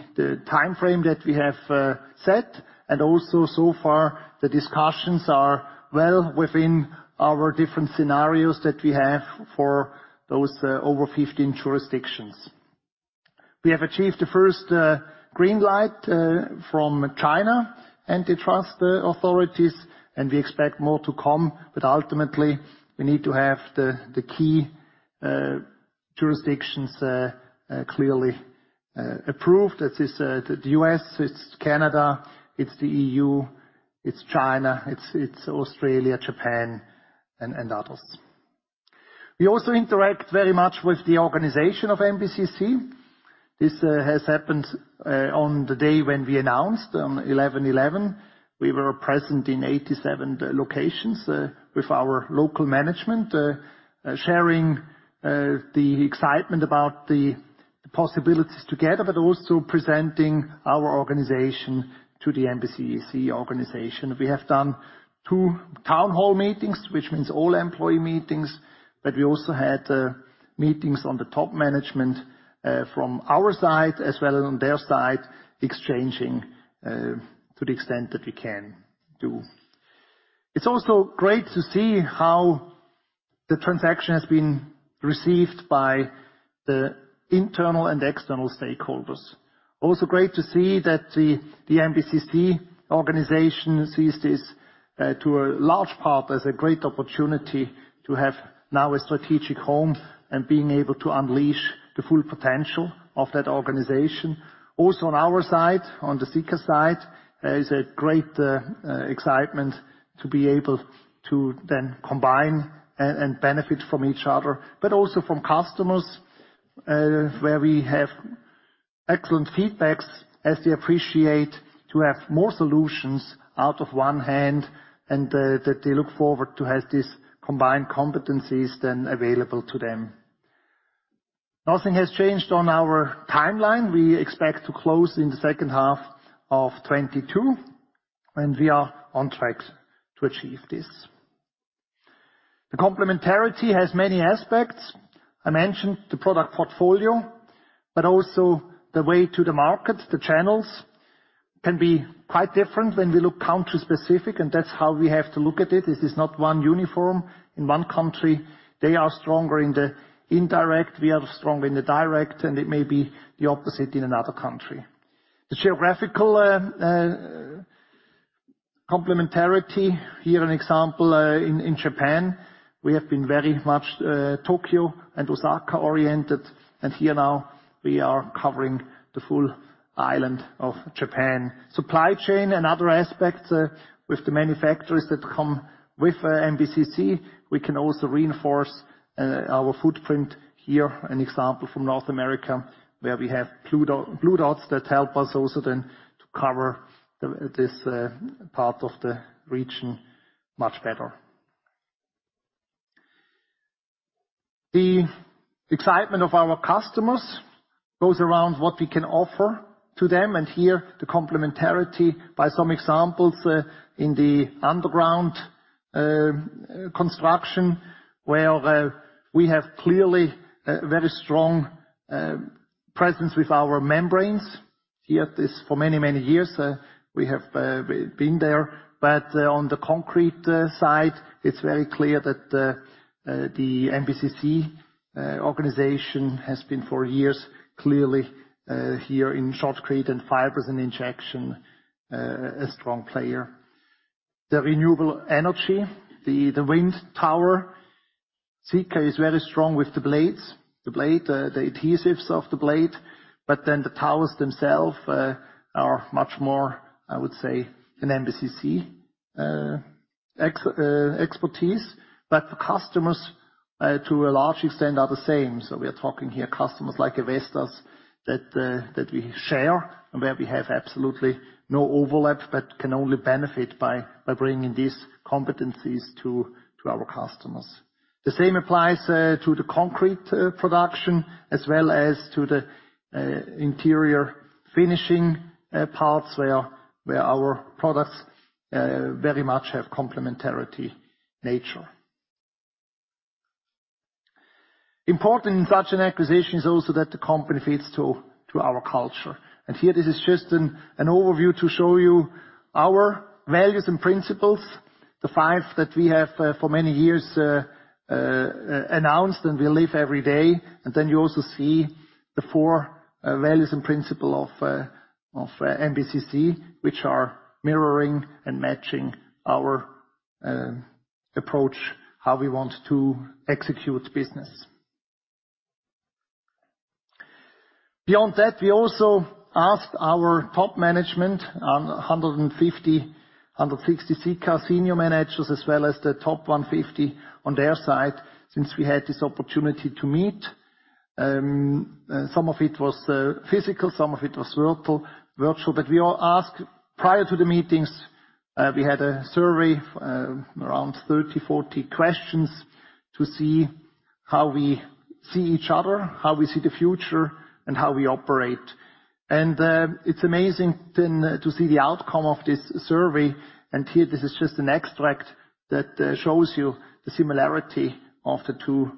timeframe that we have set, and also so far, the discussions are well within our different scenarios that we have for those over 15 jurisdictions. We have achieved the first green light from China and the antitrust authorities, and we expect more to come. Ultimately, we need to have the key jurisdictions clearly approved. That is the U.S., it's Canada, it's the EU, it's China, it's Australia, Japan, and others. We also interact very much with the organization of MBCC. This has happened on the day when we announced on 11/11. We were present in 87 locations with our local management sharing the excitement about the possibilities together, but also presenting our organization to the MBCC organization. We have done two town hall meetings, which means all employee meetings, but we also had meetings on the top management from our side as well as on their side, exchanging to the extent that we can do. It's also great to see how the transaction has been received by the internal and external stakeholders. Also great to see that the MBCC organization sees this to a large part as a great opportunity to have now a strategic home and being able to unleash the full potential of that organization. Also on our side, on the Sika side, there is a great excitement to be able to then combine and benefit from each other, but also from customers, where we have excellent feedbacks as they appreciate to have more solutions out of one hand and that they look forward to have these combined competencies then available to them. Nothing has changed on our timeline. We expect to close in the second half of 2022, and we are on track to achieve this. The complementarity has many aspects. I mentioned the product portfolio, but also the way to the market, the channels can be quite different when we look country-specific, and that's how we have to look at it. This is not one uniform. In one country, they are stronger in the indirect, we are stronger in the direct, and it may be the opposite in another country. The geographical complementarity. Here, an example, in Japan, we have been very much Tokyo and Osaka-oriented, and here now we are covering the full island of Japan. Supply chain and other aspects, with the manufacturers that come with MBCC, we can also reinforce our footprint. Here, an example from North America, where we have blue dots that help us also then to cover this part of the region much better. The excitement of our customers goes around what we can offer to them, and here the complementarity by some examples, in the underground construction where we have clearly a very strong presence with our membranes. We have been here for many, many years. We have been there. On the concrete side, it's very clear that the MBCC organization has been for years clearly here in shotcrete and fibers and injection a strong player. The renewable energy, the wind tower. Sika is very strong with the blades. The blade, the adhesives of the blade, but then the towers themselves are much more, I would say, an MBCC expertise. For customers, to a large extent are the same. We are talking here customers like Vestas that we share and where we have absolutely no overlap but can only benefit by bringing these competencies to our customers. The same applies to the concrete production as well as to the interior finishing parts where our products very much have complementary nature. Important in such an acquisition is also that the company fits to our culture. Here, this is just an overview to show you our values and principles, the five that we have for many years announced and we live every day. Then you also see the four values and principles of MBCC, which are mirroring and matching our approach, how we want to execute business. Beyond that, we also asked our top management, 150-160 Sika senior managers, as well as the top 150 on their side, since we had this opportunity to meet. Some of it was physical, some of it was virtual. We all asked prior to the meetings, we had a survey around 30-40 questions to see how we see each other, how we see the future, and how we operate. It's amazing then to see the outcome of this survey, and here this is just an extract that shows you the similarity of the two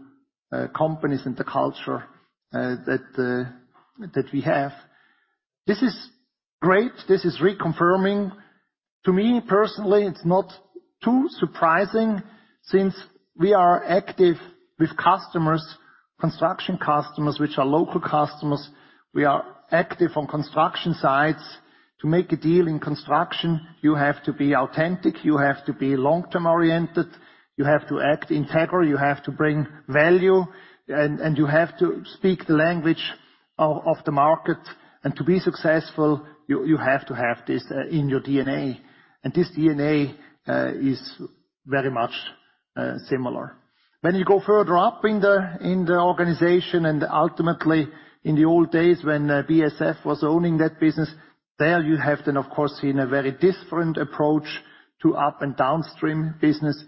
companies and the culture that we have. This is great. This is reconfirming. To me personally, it's not too surprising since we are active with customers, construction customers, which are local customers. We are active on construction sites. To make a deal in construction, you have to be authentic, you have to be long-term oriented, you have to act integral, you have to bring value, and you have to speak the language of the market. To be successful, you have to have this in your DNA. This DNA is very much similar. When you go further up in the organization and ultimately in the old days when BASF was owning that business, there you have then of course seen a very different approach to up and downstream business.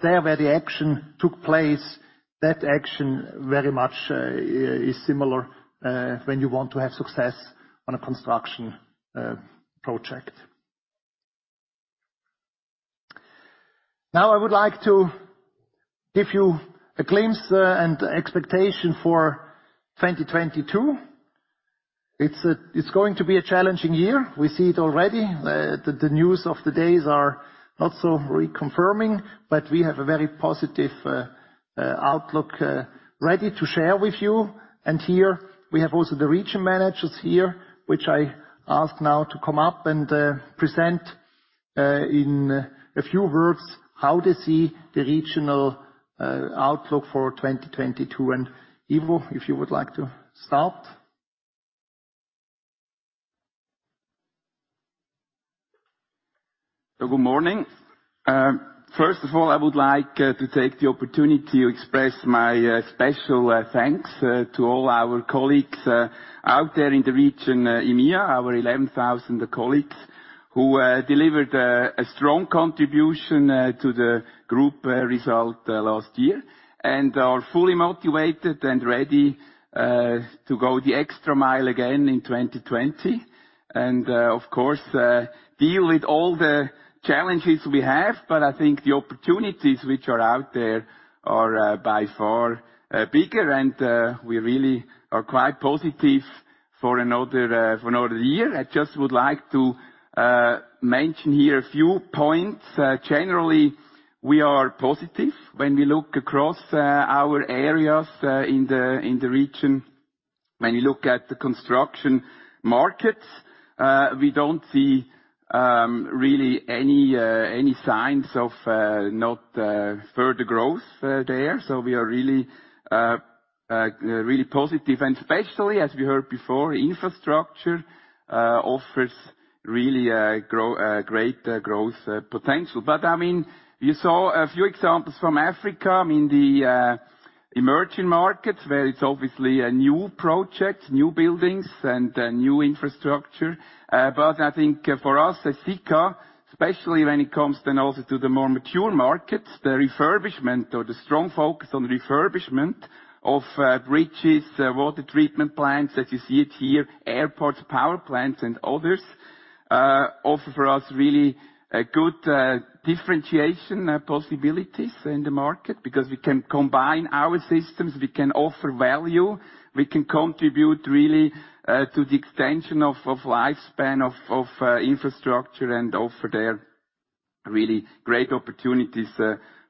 There where the action took place, that action very much is similar when you want to have success on a construction project. Now I would like to give you a glimpse and expectation for 2022. It's going to be a challenging year. We see it already. The news of the days are not so reconfirming, but we have a very positive outlook ready to share with you. Here we have also the region managers here, which I ask now to come up and present in a few words how they see the regional outlook for 2022. Ivo, if you would like to start. Good morning. First of all, I would like to take the opportunity to express my special thanks to all our colleagues out there in the region, EMEA, our 11,000 colleagues, who delivered a strong contribution to the group result last year and are fully motivated and ready to go the extra mile again in 2020 and, of course, deal with all the challenges we have. I think the opportunities which are out there are by far bigger, and we really are quite positive for another year. I just would like to mention here a few points. Generally, we are positive when we look across our areas in the region. When you look at the construction markets, we don't see really any signs of not further growth there. We are really positive. Especially, as we heard before, infrastructure offers really a great growth potential. I mean, you saw a few examples from Africa, I mean, the emerging markets, where it's obviously a new project, new buildings, and new infrastructure. I think for us at Sika, especially when it comes then also to the more mature markets, the refurbishment or the strong focus on refurbishment of bridges, water treatment plants, as you see it here, airports, power plants, and others offer for us really a good differentiation possibilities in the market because we can combine our systems, we can offer value, we can contribute really to the extension of lifespan of infrastructure and offer there really great opportunities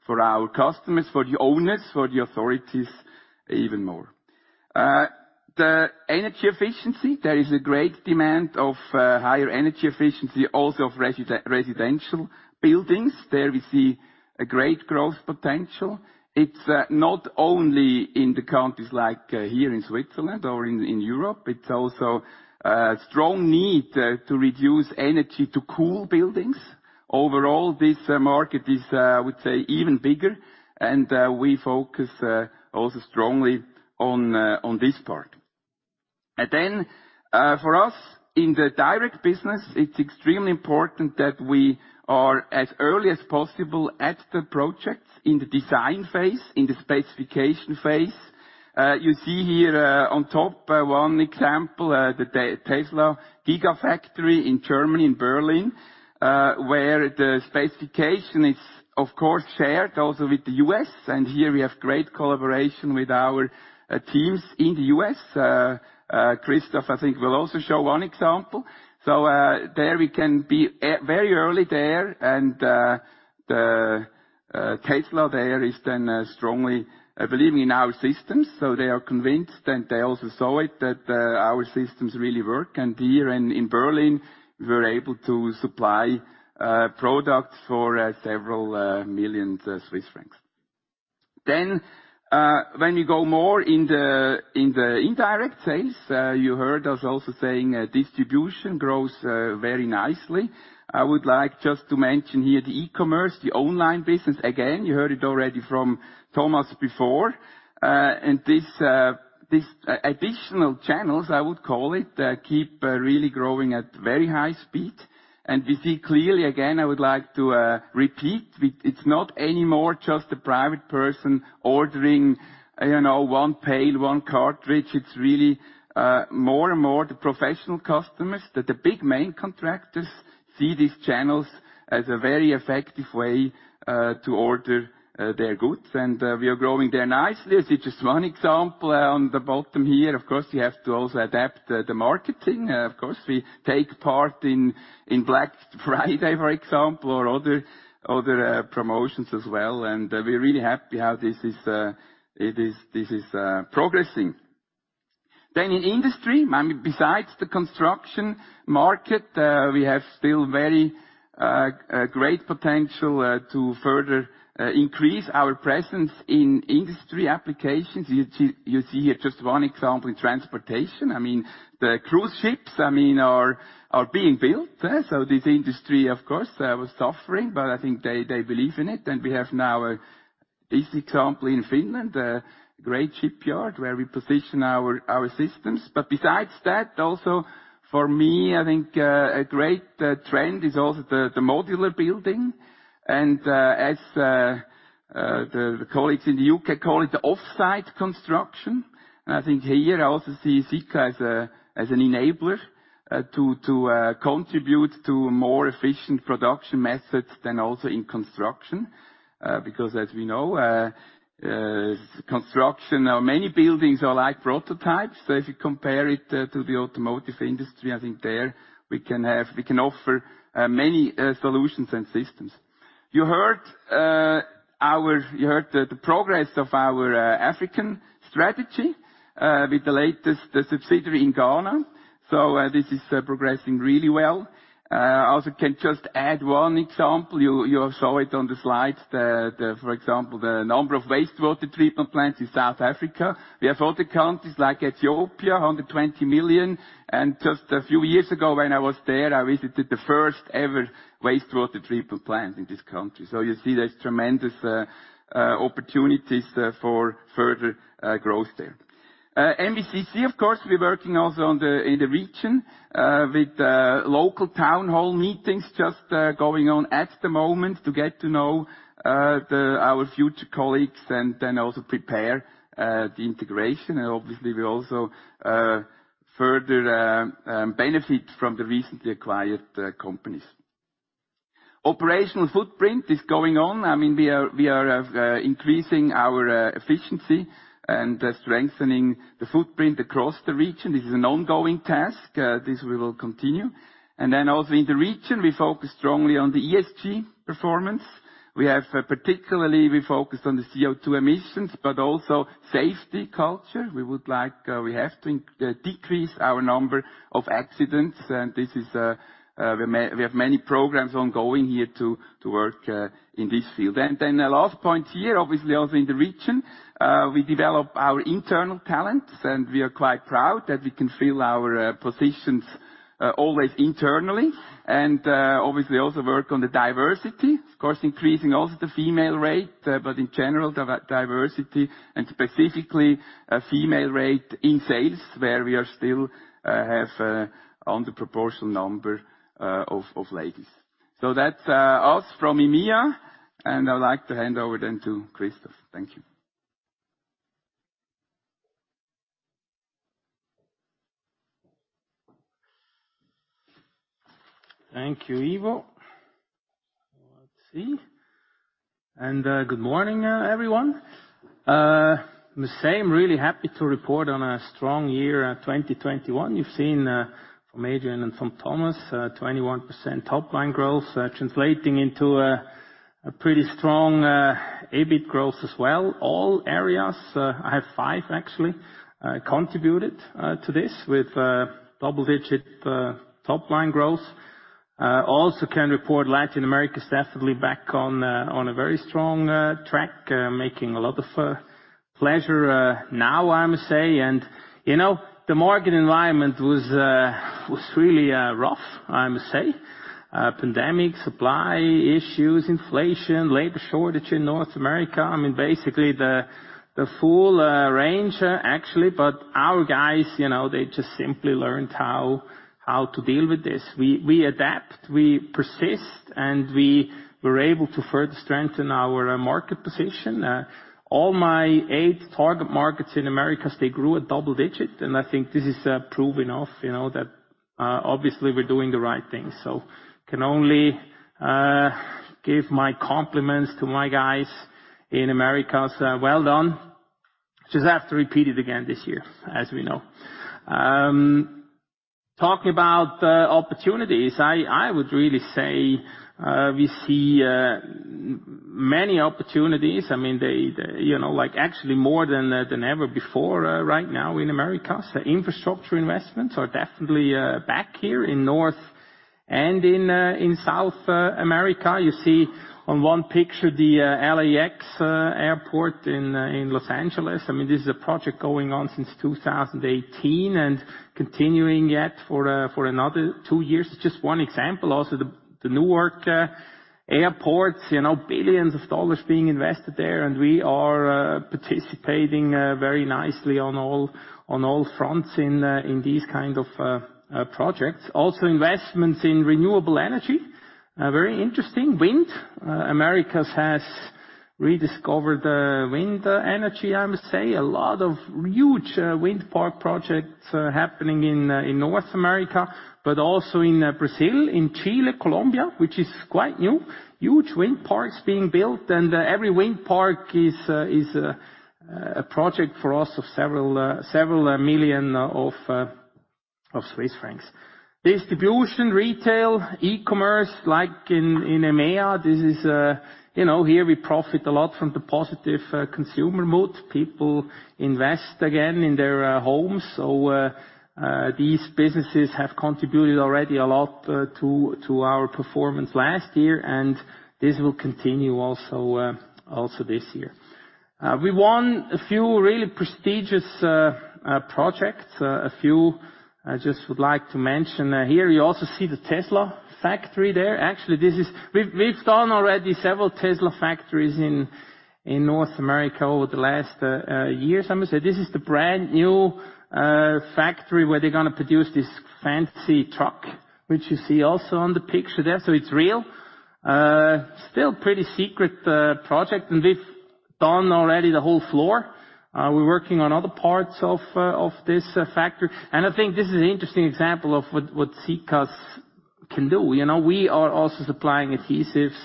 for our customers, for the owners, for the authorities even more. The energy efficiency, there is a great demand of higher energy efficiency also of residential buildings. There we see a great growth potential. It's not only in the countries like here in Switzerland or in Europe, it's also a strong need to reduce energy to cool buildings. Overall, this market is, I would say, even bigger, and we focus also strongly on this part. Then, for us in the direct business, it's extremely important that we are as early as possible at the projects in the design phase, in the specification phase. You see here on top one example, the Tesla Gigafactory in Germany, in Berlin, where the specification is of course shared also with the U.S. Here we have great collaboration with our teams in the U.S. Christoph, I think will also show one example. There we can be very early there and the Tesla there is then strongly believing in our systems. They are convinced, and they also saw it, that our systems really work. Here in Berlin, we're able to supply products for several million Swiss Franc. When we go more in the indirect sales, you heard us also saying distribution grows very nicely. I would like just to mention here the e-commerce, the online business. Again, you heard it already from Thomas before. This additional channels, I would call it, keep really growing at very high speed. We see clearly, again, I would like to repeat, it's not any more just the private person ordering, you know, one pail, one cartridge. It's really more and more the professional customers that the big main contractors see these channels as a very effective way to order their goods. We are growing there nicely. I see just one example on the bottom here. Of course, we have to also adapt the marketing. Of course, we take part in Black Friday, for example, or other promotions as well. We're really happy how this is progressing. In industry, I mean, besides the construction market, we have still very great potential to further increase our presence in industry applications. You see here just one example in transportation. I mean, the cruise ships are being built. This industry, of course, was suffering, but I think they believe in it. We have now this example in Finland, great shipyard where we position our systems. Besides that, also, for me, I think a great trend is also the modular building. As the colleagues in the U.K. call it, the offsite construction. I think here, I also see Sika as an enabler to contribute to more efficient production methods than also in construction. Because as we know, construction or many buildings are like prototypes. If you compare it to the automotive industry, I think there we can offer many solutions and systems. You heard the progress of our African strategy with the latest subsidiary in Ghana. This is progressing really well. Also can just add one example. You saw it on the slides. For example, the number of wastewater treatment plants in South Africa. We have other countries like Ethiopia, 120 million. Just a few years ago, when I was there, I visited the first ever wastewater treatment plant in this country. You see there's tremendous opportunities for further growth there. MBCC, of course, we're working also in the region with local town hall meetings just going on at the moment to get to know our future colleagues and then also prepare the integration. Obviously, we also further benefit from the recently acquired companies. Operational footprint is going on. I mean, we are increasing our efficiency and strengthening the footprint across the region. This is an ongoing task. This we will continue. In the region, we focus strongly on the ESG performance. We have particularly focused on the CO2 emissions, but also safety culture. We have to decrease our number of accidents. This is, we have many programs ongoing here to work in this field. The last point here, obviously also in the region, we develop our internal talents, and we are quite proud that we can fill our positions always internally. We obviously also work on the diversity. Of course, increasing also the female rate, but in general, diversity and specifically, female rate in sales, where we still have under proportional number of ladies. That's us from EMEA, and I would like to hand over then to Christoph. Thank you. Thank you, Ivo. Let's see. Good morning, everyone. I must say I'm really happy to report on a strong year, 2021. You've seen, from Adrian and from Thomas, 21% top line growth, translating into a pretty strong EBIT growth as well. All areas, I have five actually, contributed to this with double-digit top line growth. I also can report Latin America is definitely back on a very strong track, making a lot of pleasure now, I must say. You know, the market environment was really rough, I must say. Pandemic, supply issues, inflation, labor shortage in North America. I mean, basically the full range, actually. Our guys, you know, they just simply learned how to deal with this. We adapt, we persist, and we were able to further strengthen our market position. All my eight target markets in Americas, they grew at double-digit, and I think this is proof enough, you know, that obviously we're doing the right thing. Can only give my compliments to my guys in Americas. Well done. Just have to repeat it again this year, as we know. Talking about opportunities, I would really say we see many opportunities. I mean, they you know, like actually more than ever before right now in Americas. The infrastructure investments are definitely back here in North America and in South America. You see on one picture the LAX Airport in Los Angeles. I mean, this is a project going on since 2018 and continuing yet for another two years. It's just one example. Also, the Newark Airports, you know, billions of dollars being invested there, and we are participating very nicely on all fronts in these kind of projects. Also, investments in renewable energy very interesting. Wind. Americas has rediscovered wind energy, I must say. A lot of huge wind park projects happening in North America, but also in Brazil, in Chile, Colombia, which is quite new. Huge wind parks being built, and every wind park is a project for us of several million Swiss Francs. Distribution, retail, e-commerce, like in EMEA, this is, you know, here we profit a lot from the positive consumer mood. People invest again in their homes. These businesses have contributed already a lot to our performance last year, and this will continue also this year. We won a few really prestigious projects. A few I just would like to mention. Here you also see the Tesla factory there. Actually, we've done already several Tesla factories in North America over the last years. I must say, this is the brand-new factory where they're gonna produce this fancy truck, which you see also on the picture there, so it's real. Still pretty secret project, and we've done already the whole floor. We're working on other parts of this factory. I think this is an interesting example of what Sika's can do. You know, we are also supplying adhesives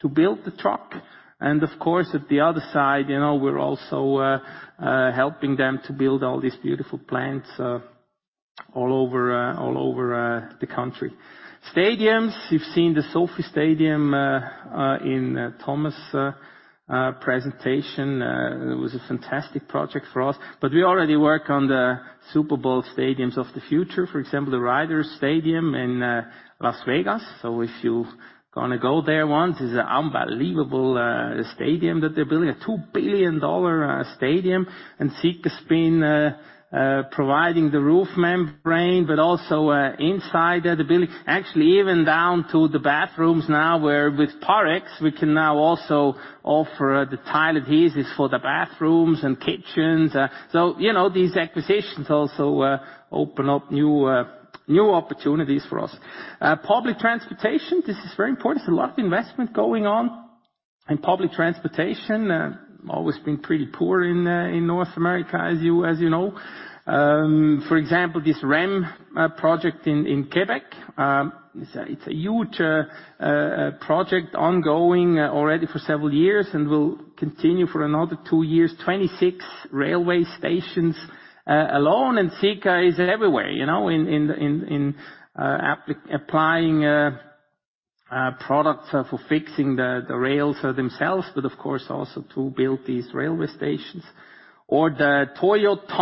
to build the truck, and of course, at the other side, you know, we're also helping them to build all these beautiful plants all over the country. Stadiums. You've seen the SoFi Stadium in Thomas's presentation. It was a fantastic project for us. We already work on the Super Bowl stadiums of the future, for example, the Allegiant Stadium in Las Vegas. If you gonna go there once, it's an unbelievable stadium that they're building. A $2 billion stadium. Sika's been providing the roof membrane, but also inside the building. Actually, even down to the bathrooms now, where with Parex, we can now also offer the tile adhesives for the bathrooms and kitchens. You know, these acquisitions also open up new opportunities for us. Public transportation. This is very important. There's a lot of investment going on in public transportation. Always been pretty poor in North America, as you know. For example, this REM project in Quebec. It's a huge project ongoing already for several years and will continue for another two years. 26 railway stations alone, and Sika is everywhere, you know, in applying products for fixing the rails themselves, but of course also to build these railway stations. The Túnel del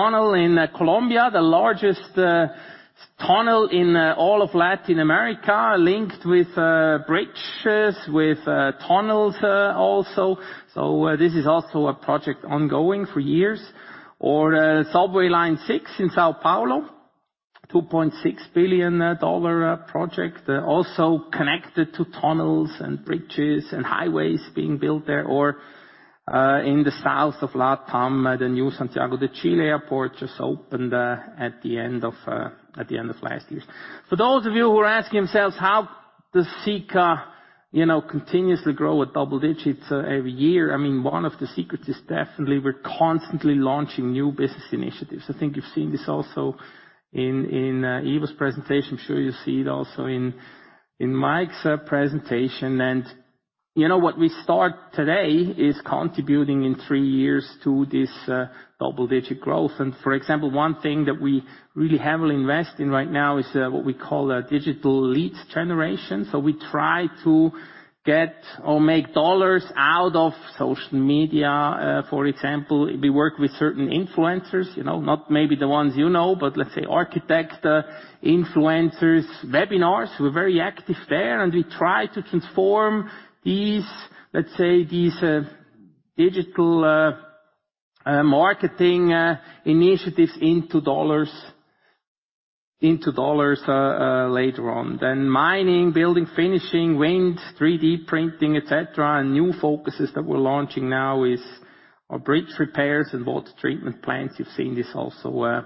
Toyo in Colombia, the largest tunnel in all of Latin America, linked with bridges, with tunnels also. This is also a project ongoing for years. Subway line six in São Paulo, $2.6 billion project also connected to tunnels and bridges and highways being built there. In the south of LatAm, the new Santiago de Chile Airport just opened at the end of last year. For those of you who are asking themselves, how does Sika, you know, continuously grow at double digits every year? I mean, one of the secrets is definitely we're constantly launching new business initiatives. I think you've seen this also in Ivo's presentation. I'm sure you'll see it also in Mike's presentation. You know, what we start today is contributing in three years to this double-digit growth. For example, one thing that we really heavily invest in right now is what we call a digital leads generation. So we try to get or make dollars out of social media. For example, we work with certain influencers, you know, not maybe the ones you know, but let's say architect influencers, webinars, we're very active there, and we try to transform these, let's say, these digital marketing initiatives into dollars later on. Mining, building, finishing, wind, 3D printing, etc., and new focuses that we're launching now is our bridge repairs and water treatment plants. You've seen this also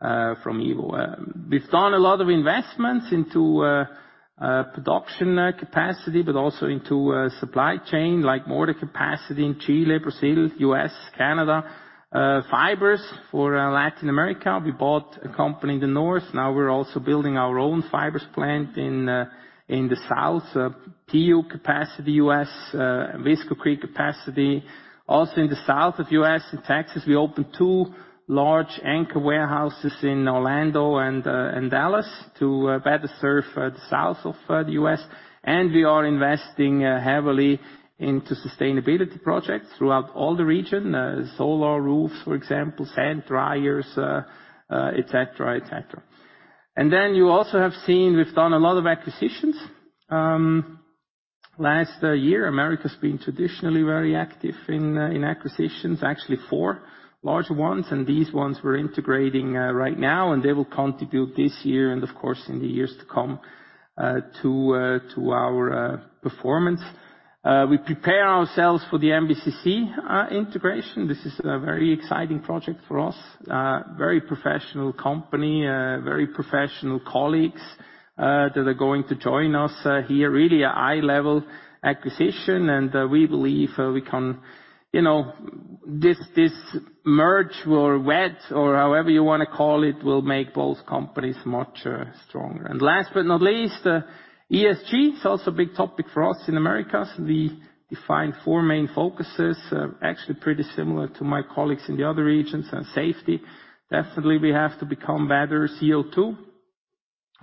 from Ivo. We've done a lot of investments into production capacity, but also into supply chain, like mortar capacity in Chile, Brazil, U.S., Canada. Fibers for Latin America. We bought a company in the North. Now we're also building our own fibers plant in the South. TU capacity U.S., ViscoCrete capacity. Also in the South of U.S. and Texas, we opened two large anchor warehouses in Orlando and Dallas to better serve the south of the U.S. We are investing heavily into sustainability projects throughout all the region. Solar roofs, for example, sand dryers, et cetera, et cetera. You also have seen we've done a lot of acquisitions. Last year, Americas been traditionally very active in acquisitions. Actually four large ones, and these ones we're integrating right now, and they will contribute this year and of course, in the years to come to our performance. We prepare ourselves for the MBCC integration. This is a very exciting project for us. Very professional company, very professional colleagues that are going to join us here. Really a high-level acquisition, and we believe we can. You know, this merge or wed or however you wanna call it, will make both companies much stronger. Last but not least, ESG, it's also a big topic for us in Americas. We define four main focuses, actually pretty similar to my colleagues in the other regions. Safety, definitely we have to become better. CO2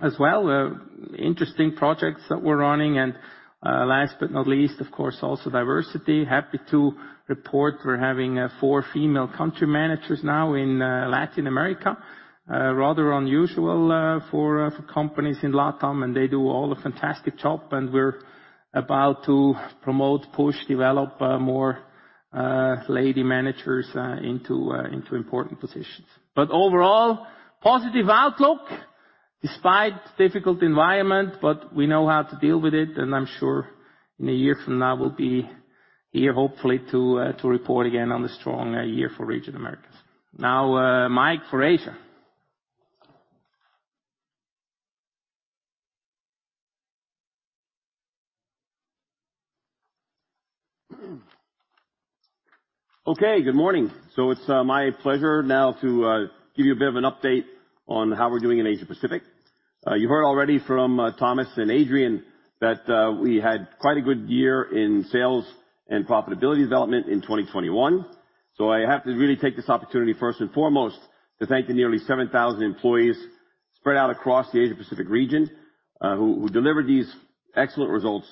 as well. Interesting projects that we're running and, last but not least, of course, also diversity. Happy to report we're having four female country managers now in Latin America. Rather unusual for companies in LatAm, and they do all a fantastic job and we're about to promote, push, develop more lady managers into important positions. Overall, positive outlook despite difficult environment, but we know how to deal with it, and I'm sure in a year from now, we'll be here hopefully to report again on the strong year for region Americas. Now, Mike for Asia. Okay, good morning. It's my pleasure now to give you a bit of an update on how we're doing in Asia Pacific. You heard already from Thomas and Adrian that we had quite a good year in sales and profitability development in 2021. I have to really take this opportunity first and foremost to thank the nearly 7,000 employees spread out across the Asia Pacific region, who delivered these excellent results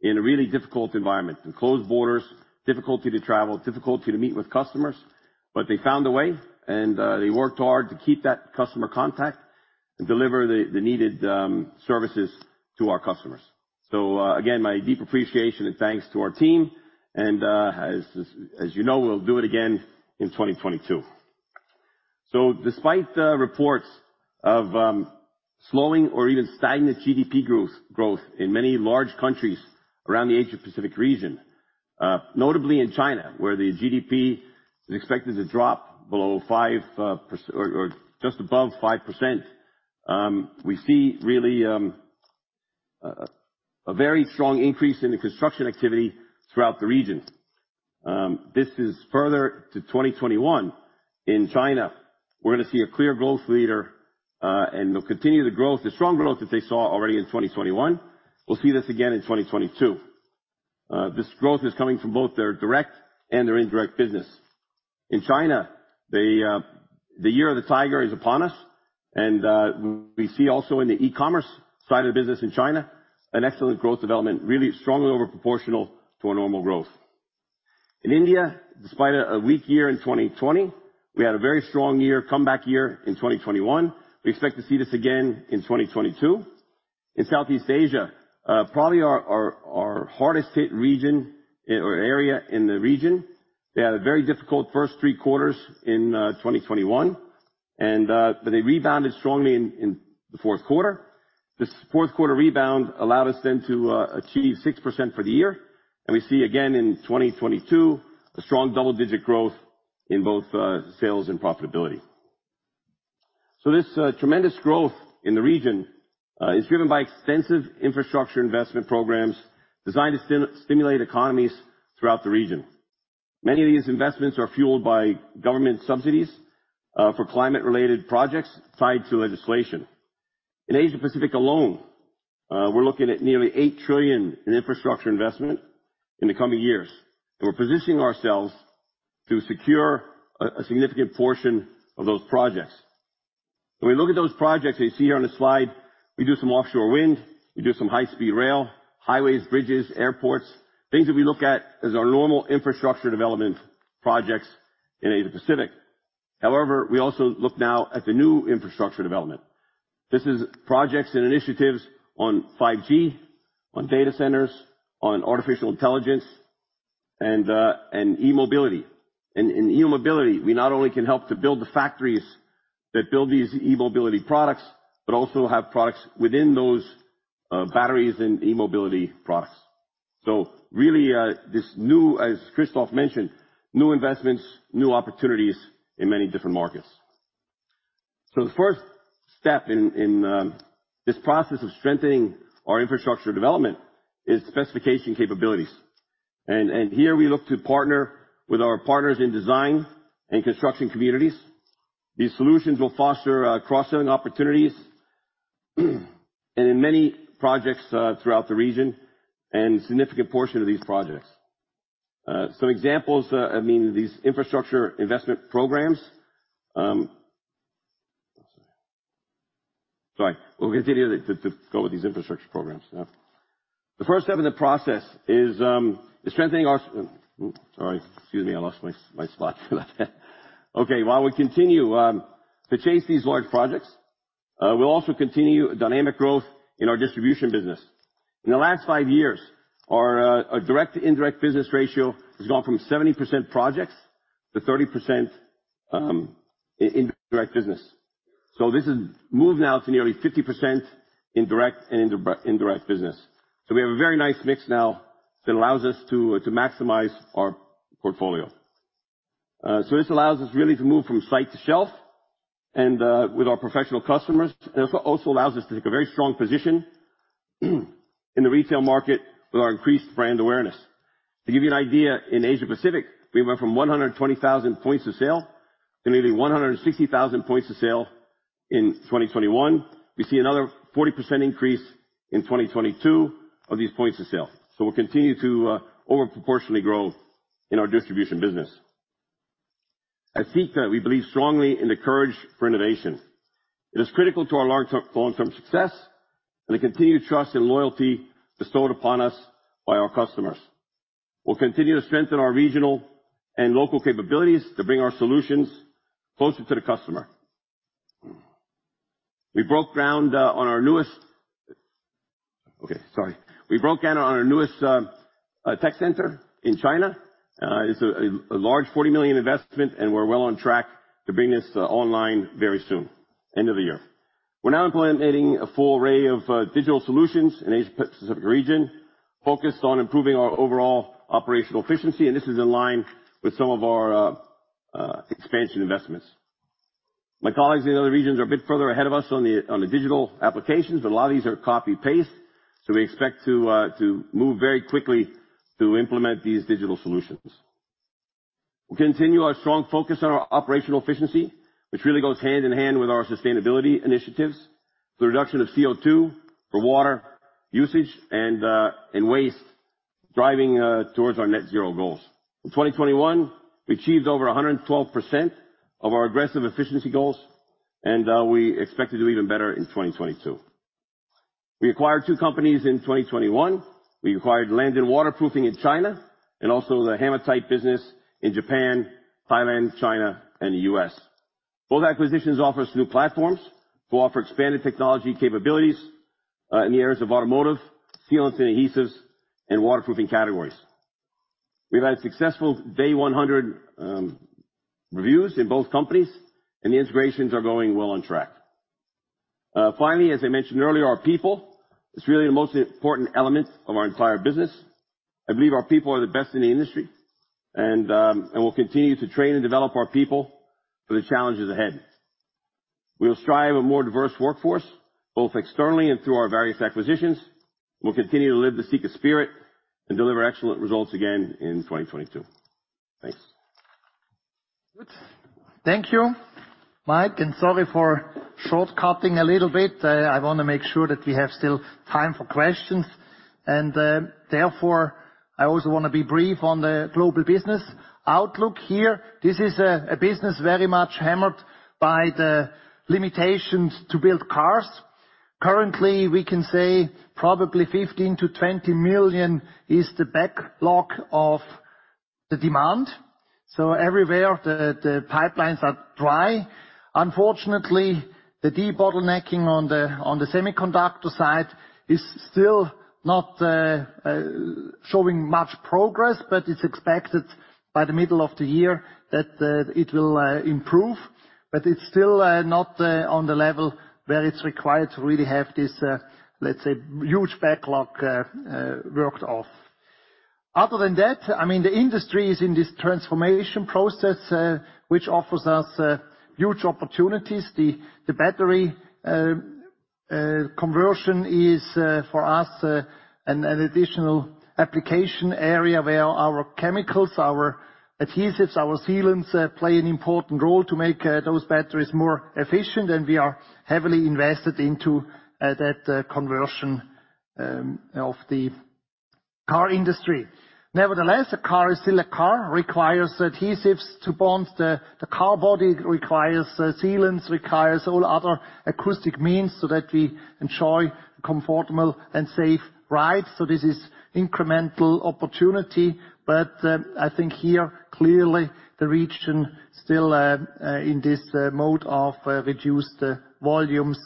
in a really difficult environment. The closed borders, difficulty to travel, difficulty to meet with customers. They found a way and they worked hard to keep that customer contact and deliver the needed services to our customers. Again, my deep appreciation and thanks to our team. As you know, we'll do it again in 2022. Despite the reports of slowing or even stagnant GDP growth in many large countries around the Asia Pacific region, notably in China, where the GDP is expected to drop below 5 or just above 5%, we see really a very strong increase in the construction activity throughout the region. This is further to 2021. In China, we're gonna see a clear growth leader, and they'll continue the growth, the strong growth that they saw already in 2021. We'll see this again in 2022. This growth is coming from both their direct and their indirect business. In China, the year of the tiger is upon us and we see also in the e-commerce side of the business in China, an excellent growth development really strongly over proportional to a normal growth. In India, despite a weak year in 2020, we had a very strong year, comeback year in 2021. We expect to see this again in 2022. In Southeast Asia, probably our hardest hit region or area in the region, they had a very difficult first three quarters in 2021, but they rebounded strongly in the fourth quarter. This fourth quarter rebound allowed us then to achieve 6% for the year. We see again in 2022, a strong double-digit growth in both sales and profitability. This tremendous growth in the region is driven by extensive infrastructure investment programs designed to stimulate economies throughout the region. Many of these investments are fueled by government subsidies for climate-related projects tied to legislation. In Asia Pacific alone, we're looking at nearly $8 trillion in infrastructure investment in the coming years. We're positioning ourselves to secure a significant portion of those projects. When we look at those projects that you see here on the slide, we do some offshore wind, we do some high-speed rail, highways, bridges, airports, things that we look at as our normal infrastructure development projects in Asia Pacific. However, we also look now at the new infrastructure development. This is projects and initiatives on 5G, on data centers, on artificial intelligence and e-mobility. In e-mobility, we not only can help to build the factories that build these e-mobility products, but also have products within those batteries and e-mobility products. Really, this new. As Christophe mentioned, new investments, new opportunities in many different markets. The first step in this process of strengthening our infrastructure development is specification capabilities. Here we look to partner with our partners in design and construction communities. These solutions will foster cross-selling opportunities and in many projects throughout the region and significant portion of these projects. Some examples, I mean, these infrastructure investment programs. We'll continue to go with these infrastructure programs. While we continue to chase these large projects, we'll also continue dynamic growth in our distribution business. In the last five years, our direct-to-indirect business ratio has gone from 70% projects to 30% indirect business. This has moved now to nearly 50% in direct and indirect business. We have a very nice mix now that allows us to maximize our portfolio. This allows us really to move from site to shelf and with our professional customers. It also allows us to take a very strong position in the retail market with our increased brand awareness. To give you an idea, in Asia-Pacific, we went from 120,000 points of sale to nearly 160,000 points of sale in 2021. We see another 40% increase in 2022 of these points of sale. We'll continue to over proportionally grow in our distribution business. At Sika, we believe strongly in the courage for innovation. It is critical to our long-term success and the continued trust and loyalty bestowed upon us by our customers. We'll continue to strengthen our regional and local capabilities to bring our solutions closer to the customer. We broke ground on our newest tech center in China. It's a large 40 million investment, and we're well on track to bring this online very soon, end of the year. We're now implementing a full array of digital solutions in Asia-Pacific region focused on improving our overall operational efficiency, and this is in line with some of our expansion investments. My colleagues in other regions are a bit further ahead of us on the digital applications, but a lot of these are copy-paste, so we expect to move very quickly to implement these digital solutions. We continue our strong focus on our operational efficiency, which really goes hand-in-hand with our sustainability initiatives, the reduction of CO2, water usage, and waste driving towards our net zero goals. In 2021, we achieved over 112% of our aggressive efficiency goals, and we expect to do even better in 2022. We acquired two companies in 2021. We acquired Landun Waterproofing in China and also the Hamatite business in Japan, Thailand, China, and the U.S. Both acquisitions offer us new platforms to offer expanded technology capabilities in the areas of automotive, sealants and adhesives, and waterproofing categories. We've had successful day 100 reviews in both companies, and the integrations are going well on track. Finally, as I mentioned earlier, our people is really the most important element of our entire business. I believe our people are the best in the industry, and we'll continue to train and develop our people for the challenges ahead. We will strive a more diverse workforce, both externally and through our various acquisitions. We'll continue to live the Sika spirit and deliver excellent results again in 2022. Thanks. Thank you, Mike, and sorry for shortcutting a little bit. I wanna make sure that we have still time for questions and, therefore, I also wanna be brief on the global business outlook here. This is a business very much hammered by the limitations to build cars. Currently, we can say probably 15 million-20 million is the backlog of the demand. Everywhere the pipelines are dry. Unfortunately, the debottlenecking on the semiconductor side is still not showing much progress, but it's expected by the middle of the year that it will improve. It's still not on the level where it's required to really have this, let's say, huge backlog worked off. Other than that, I mean, the industry is in this transformation process, which offers us huge opportunities. The battery conversion is for us an additional application area where our chemicals, our adhesives, our sealants play an important role to make those batteries more efficient, and we are heavily invested into that conversion of the car industry. Nevertheless, a car is still a car, requires adhesives to bond the car body. It requires sealants, requires all other acoustic means so that we enjoy comfortable and safe rides. This is an incremental opportunity, but I think here, clearly, the region is still in this mode of reduced volumes.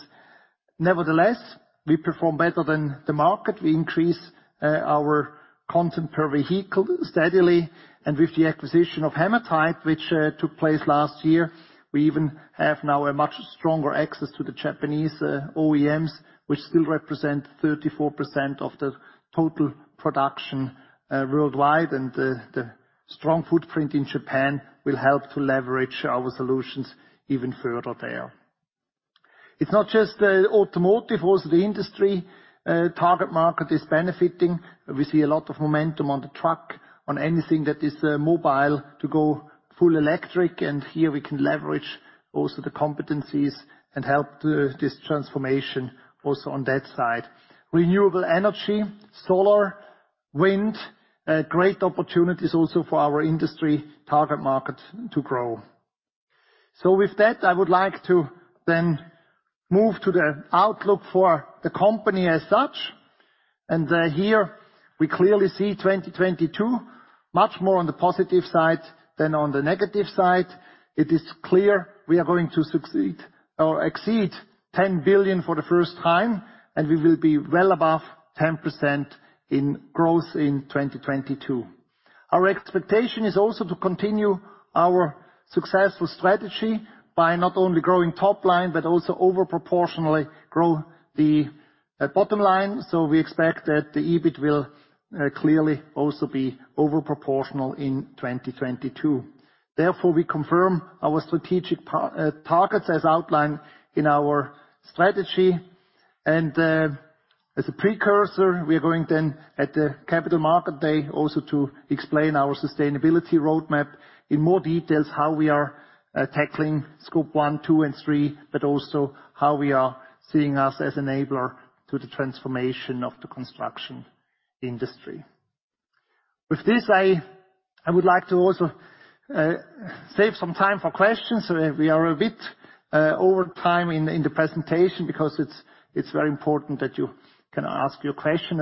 Nevertheless, we perform better than the market. We increase our content per vehicle steadily. With the acquisition of Hamatite, which took place last year, we even have now a much stronger access to the Japanese OEMs, which still represent 34% of the total production worldwide. The strong footprint in Japan will help to leverage our solutions even further there. It's not just automotive. Also, the industry target market is benefiting. We see a lot of momentum on the truck, on anything that is mobile to go full electric, and here we can leverage also the competencies and help this transformation also on that side. Renewable energy, solar, wind, great opportunities also for our industry target market to grow. With that, I would like to move to the outlook for the company as such. Here we clearly see 2022 much more on the positive side than on the negative side. It is clear we are going to exceed 10 billion for the first time, and we will be well above 10% in growth in 2022. Our expectation is also to continue our successful strategy by not only growing top line, but also over proportionally grow the bottom line. We expect that the EBIT will clearly also be over proportional in 2022. Therefore, we confirm our strategic targets as outlined in our strategy. As a precursor, we are going then at the Capital Markets Day also to explain our sustainability roadmap in more details, how we are tackling Scope 1, 2, and 3, but also how we are seeing us as enabler to the transformation of the construction industry. With this, I would like to also save some time for questions. We are a bit over time in the presentation because it's very important that you can ask your question.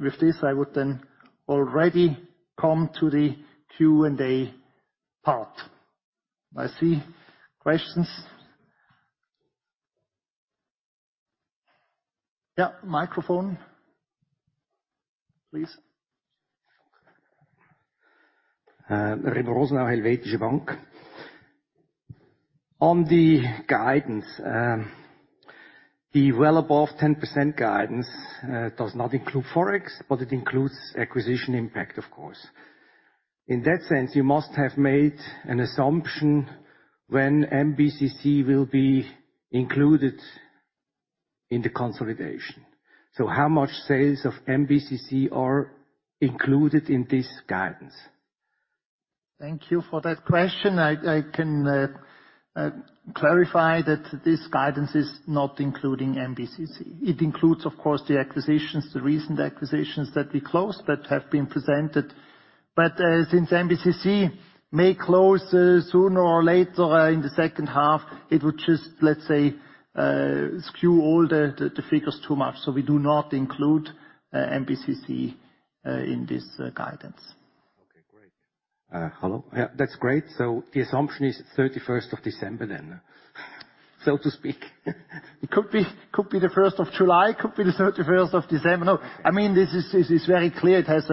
With this, I would then already come to the Q&A part. I see questions. Yeah, microphone please. Remo Rosenau, Helvetische Bank. On the guidance, the well above 10% guidance does not include Forex, but it includes acquisition impact of course. In that sense, you must have made an assumption when MBCC will be included in the consolidation. How much sales of MBCC are included in this guidance? Thank you for that question. I can clarify that this guidance is not including MBCC. It includes, of course, the acquisitions, the recent acquisitions that we closed that have been presented. Since MBCC may close sooner or later in the second half, it would just, let's say, skew all the figures too much. We do not include MBCC in this guidance. Okay, great. Hello? Yeah, that's great. The assumption is 31st of December then, so to speak. It could be the first of July, could be the thirty-first of December. No. I mean, this is very clear. It has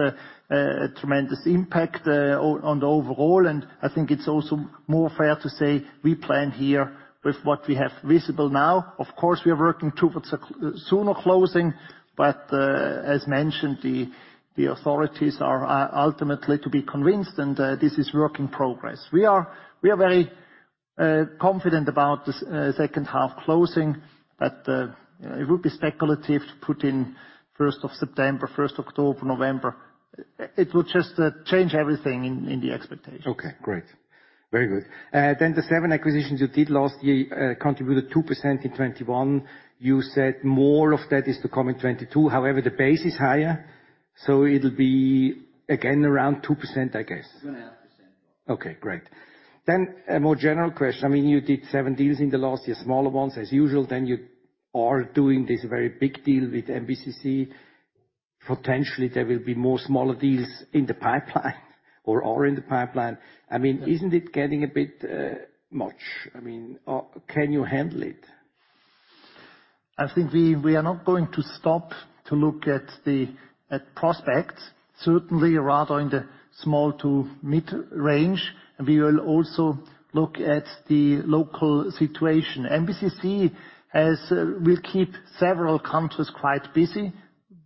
a tremendous impact on the overall, and I think it's also more fair to say we plan here with what we have visible now. Of course, we are working towards a sooner closing, but as mentioned, the authorities are ultimately to be convinced and this is work in progress. We are very confident about this second half closing, but it would be speculative to put in first of September, first October, November. It would just change everything in the expectations. Okay, great. Very good. The seven acquisitions you did last year contributed 2% in 2021. You said more of that is to come in 2022. However, the base is higher, so it'll be again around 2%, I guess. 2.5%. Okay, great. A more general question. I mean, you did seven deals in the last year, smaller ones as usual. You are doing this very big deal with MBCC. Potentially there will be more smaller deals in the pipeline or are in the pipeline. I mean, isn't it getting a bit much? I mean, can you handle it? I think we are not going to stop to look at prospects, certainly rather in the small to mid-range. We will also look at the local situation. MBCC will keep several countries quite busy.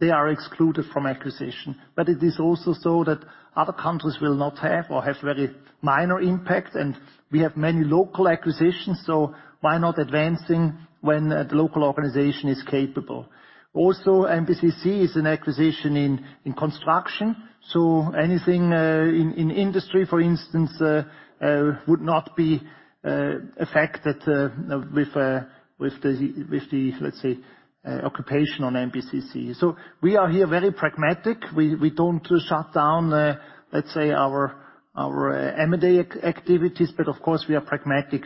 They are excluded from acquisition. It is also so that other countries will not have or have very minor impact, and we have many local acquisitions, so why not advancing when the local organization is capable? Also, MBCC is an acquisition in construction, so anything in industry, for instance, would not be affected with the, let's say, occupation on MBCC. We are here very pragmatic. We don't shut down, let's say our M&A activities, but of course we are pragmatic.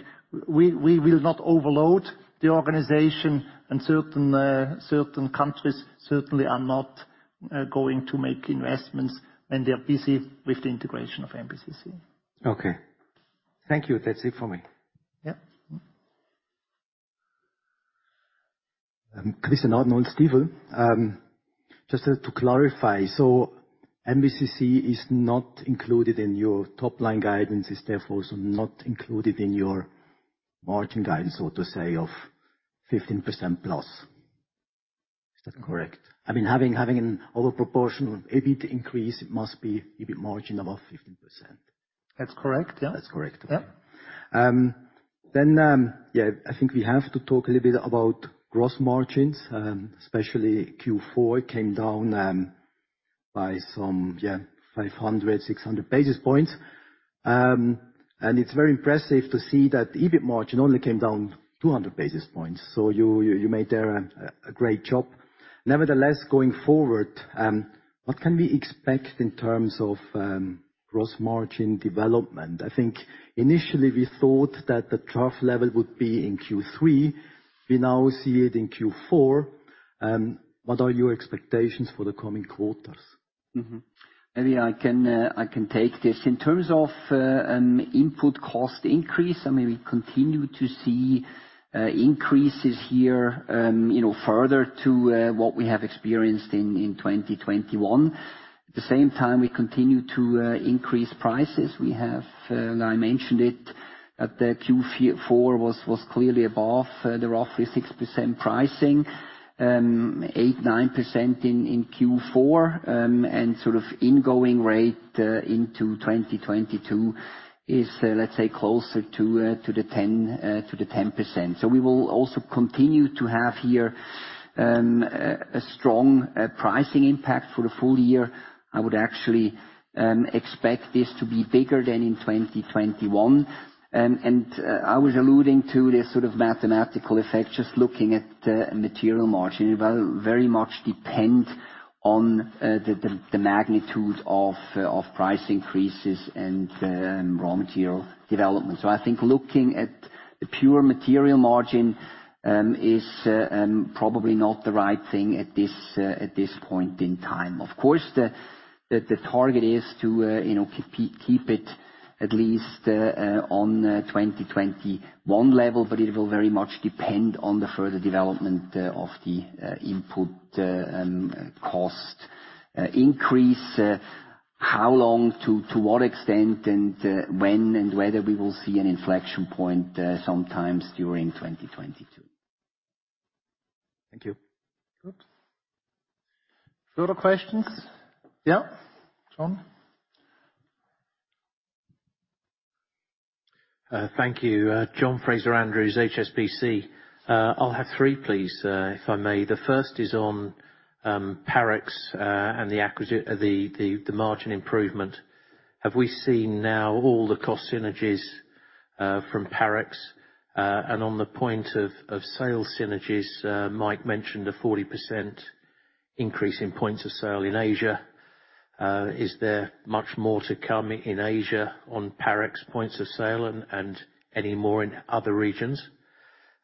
We will not overload the organization and certain countries certainly are not going to make investments when they're busy with the integration of MBCC. Okay. Thank you. That's it for me. Yeah. Christian Arnold, Stifel. Just to clarify, MBCC is not included in your top line guidance, is therefore also not included in your margin guidance, so to say, of 15%+. Is that correct? I mean, having an over proportional EBIT increase, it must be EBIT margin above 15%. That's correct. Yeah. That's correct. Yeah. I think we have to talk a little bit about gross margins, especially Q4. It came down by some 500 basis points-600 basis points. It is very impressive to see that EBIT margin only came down 200 basis points. You made there a great job. Nevertheless, going forward, what can we expect in terms of gross margin development? I think initially we thought that the trough level would be in Q3. We now see it in Q4. What are your expectations for the coming quarters? Maybe I can take this. In terms of input cost increase, I mean, we continue to see increases here, you know, further to what we have experienced in 2021. At the same time, we continue to increase prices. We have, and I mentioned it, that the Q4 was clearly above the roughly 6% pricing. 8%-9% in Q4. And sort of ingoing rate into 2022 is, let's say, closer to the 10%. We will also continue to have here a strong pricing impact for the full year. I would actually expect this to be bigger than in 2021. I was alluding to the sort of mathematical effect, just looking at material margin. It will very much depend on the magnitude of price increases and raw material development. I think looking at the pure material margin is probably not the right thing at this point in time. Of course, the target is to you know keep it at least on 2021 level, but it will very much depend on the further development of the input cost increase. How long, to what extent and when and whether we will see an inflection point sometimes during 2022. Thank you. Good. Further questions? Yeah, John. Thank you. John Fraser-Andrews, HSBC. I'll have three, please, if I may. The first is on Parex and the margin improvement. Have we seen now all the cost synergies from Parex? And on the point of sales synergies, Mike mentioned a 40% increase in points of sale in Asia. Is there much more to come in Asia on Parex points of sale and any more in other regions?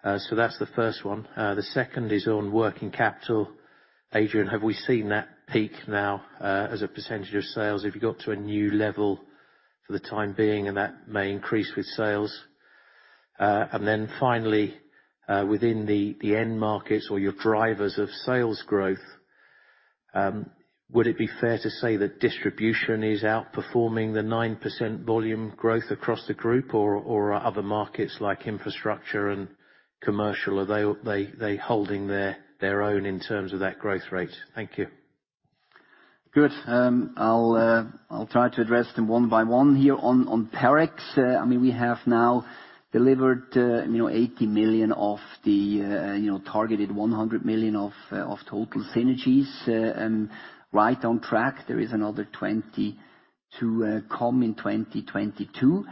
So that's the first one. The second is on working capital. Adrian, have we seen that peak now as a percentage of sales? Have you got to a new level for the time being, and that may increase with sales? Then finally, within the end markets or your drivers of sales growth, would it be fair to say that distribution is outperforming the 9% volume growth across the group? Or are other markets like infrastructure and commercial, are they holding their own in terms of that growth rate? Thank you. Good. I'll try to address them one by one. Here on Parex, I mean, we have now delivered, you know, 80 million of the targeted 100 million of total synergies, right on track. There is another 20 million to come in 2022.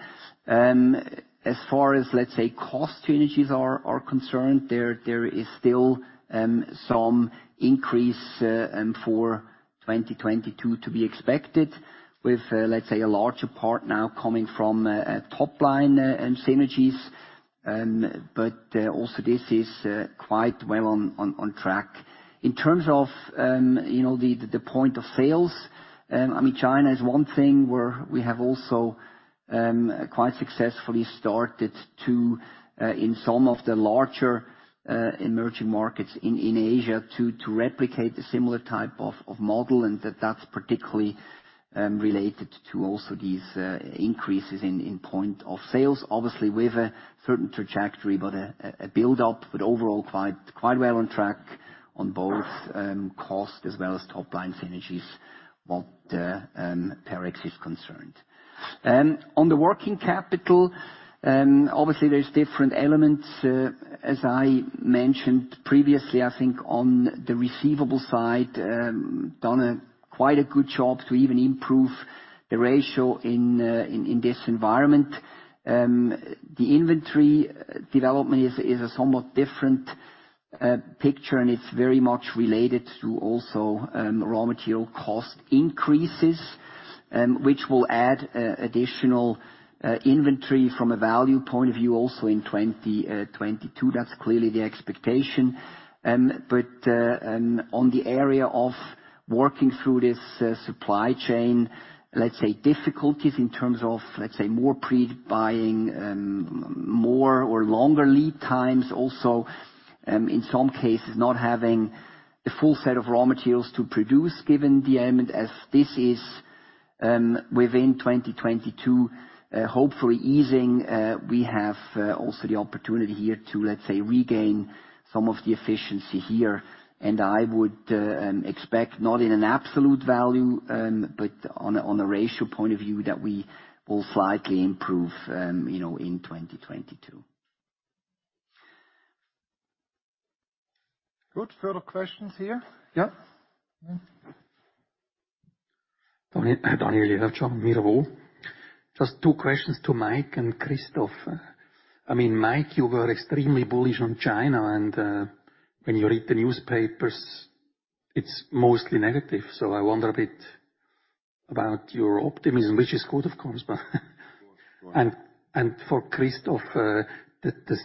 As far as, let's say, cost synergies are concerned, there is still some increase for 2022 to be expected with, let's say, a larger part now coming from top line synergies. Also this is quite well on track. In terms of, you know, the point of sales, I mean, China is one thing where we have also quite successfully started to in some of the larger emerging markets in Asia to replicate a similar type of model. That that's particularly related to also these increases in point of sales. Obviously, with a certain trajectory, but a build-up, but overall quite well on track on both cost as well as top-line synergies with Parex is concerned. On the working capital, obviously there's different elements. As I mentioned previously, I think on the receivable side done quite a good job to even improve the ratio in this environment. The inventory development is a somewhat different picture, and it's very much related to also raw material cost increases, which will add additional inventory from a value point of view also in 2022. That's clearly the expectation. On the area of working through this supply chain, let's say difficulties in terms of, let's say more pre-buying, more or longer lead times also, in some cases not having the full set of raw materials to produce, given the element as this is within 2022, hopefully easing. We have also the opportunity here to, let's say, regain some of the efficiency here. I would expect not in an absolute value, but on a ratio point of view, that we will slightly improve, you know, in 2022. Good. Further questions here? Yeah. Daniel Maravall. Just two questions to Mike and Christoph. I mean, Mike, you were extremely bullish on China and, when you read the newspapers, it's mostly negative. I wonder a bit about your optimism, which is good, of course, but. Right. For Christoph, the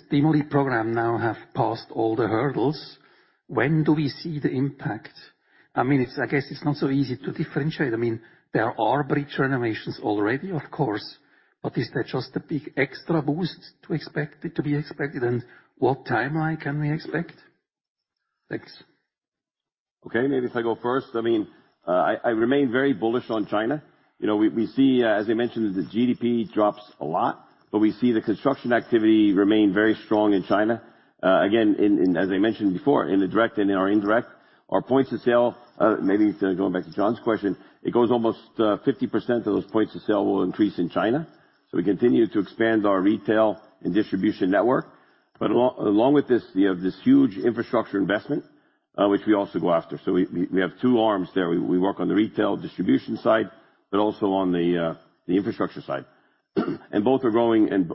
stimulus program now has passed all the hurdles. When do we see the impact? I mean, it's I guess it's not so easy to differentiate. I mean, there are bridge renovations already, of course, but is that just a big extra boost to be expected, and what timeline can we expect? Thanks. Okay. Maybe if I go first. I mean, I remain very bullish on China. You know, we see, as I mentioned, the GDP drops a lot, but we see the construction activity remain very strong in China. Again, in as I mentioned before, in the direct and in our indirect, our points of sale, maybe going back to John's question, it goes almost 50% of those points of sale will increase in China. So we continue to expand our retail and distribution network. But along with this, you have this huge infrastructure investment, which we also go after. So we have two arms there. We work on the retail distribution side, but also on the infrastructure side. Both are growing and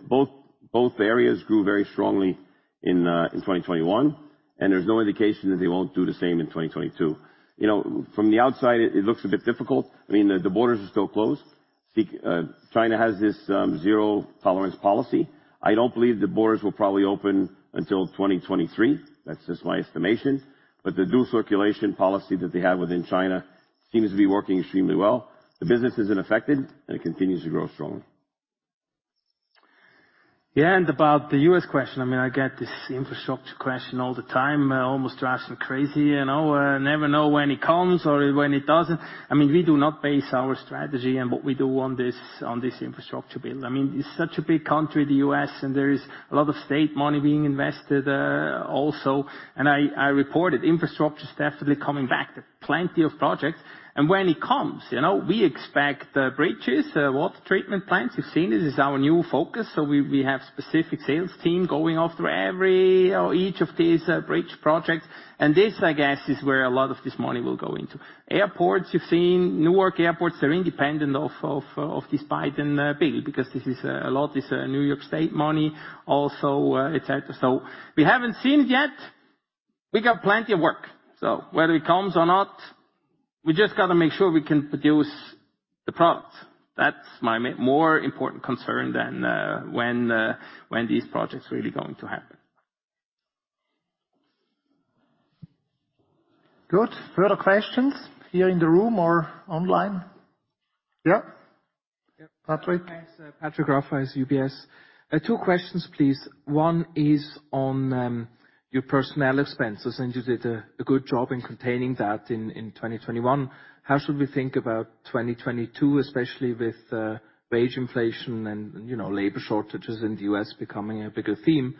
both areas grew very strongly in 2021, and there's no indication that they won't do the same in 2022. You know, from the outside it looks a bit difficult. I mean, the borders are still closed. See, China has this zero tolerance policy. I don't believe the borders will probably open until 2023. That's just my estimation. The dual circulation policy that they have within China seems to be working extremely well. The business isn't affected, and it continues to grow strongly. Yeah, about the U.S. question, I mean, I get this infrastructure question all the time, almost drives me crazy. You know, never know when it comes or when it doesn't. I mean, we do not base our strategy and what we do on this infrastructure build. I mean, it's such a big country, the U.S., and there is a lot of state money being invested, also. I reported infrastructure is definitely coming back. There are plenty of projects. When it comes, you know, we expect bridges, water treatment plants. You've seen this is our new focus, so we have specific sales team going after every or each of these bridge projects. This, I guess, is where a lot of this money will go into. Airports, you've seen. Newark airports, they're independent of this Biden bill because this is a lot of New York State money also, et cetera. We haven't seen it yet. We got plenty of work. Whether it comes or not, we just gotta make sure we can produce the products. That's my more important concern than when these projects are really going to happen. Good. Further questions here in the room or online? Yeah. Yeah. Patrick. My name is Patrick Rafaisz with UBS. Two questions, please. One is on your personnel expenses, and you did a good job in containing that in 2021. How should we think about 2022, especially with wage inflation and, you know, labor shortages in the U.S. becoming a bigger theme?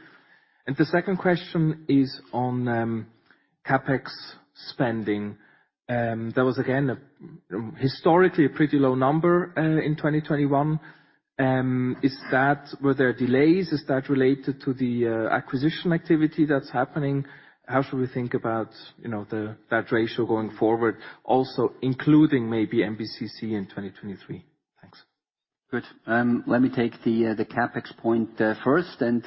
The second question is on CapEx spending. There was again historically a pretty low number in 2021. Is that related to the acquisition activity that's happening? Were there delays? How should we think about that ratio going forward, also including maybe MBCC in 2023? Thanks. Good. Let me take the CapEx point first, and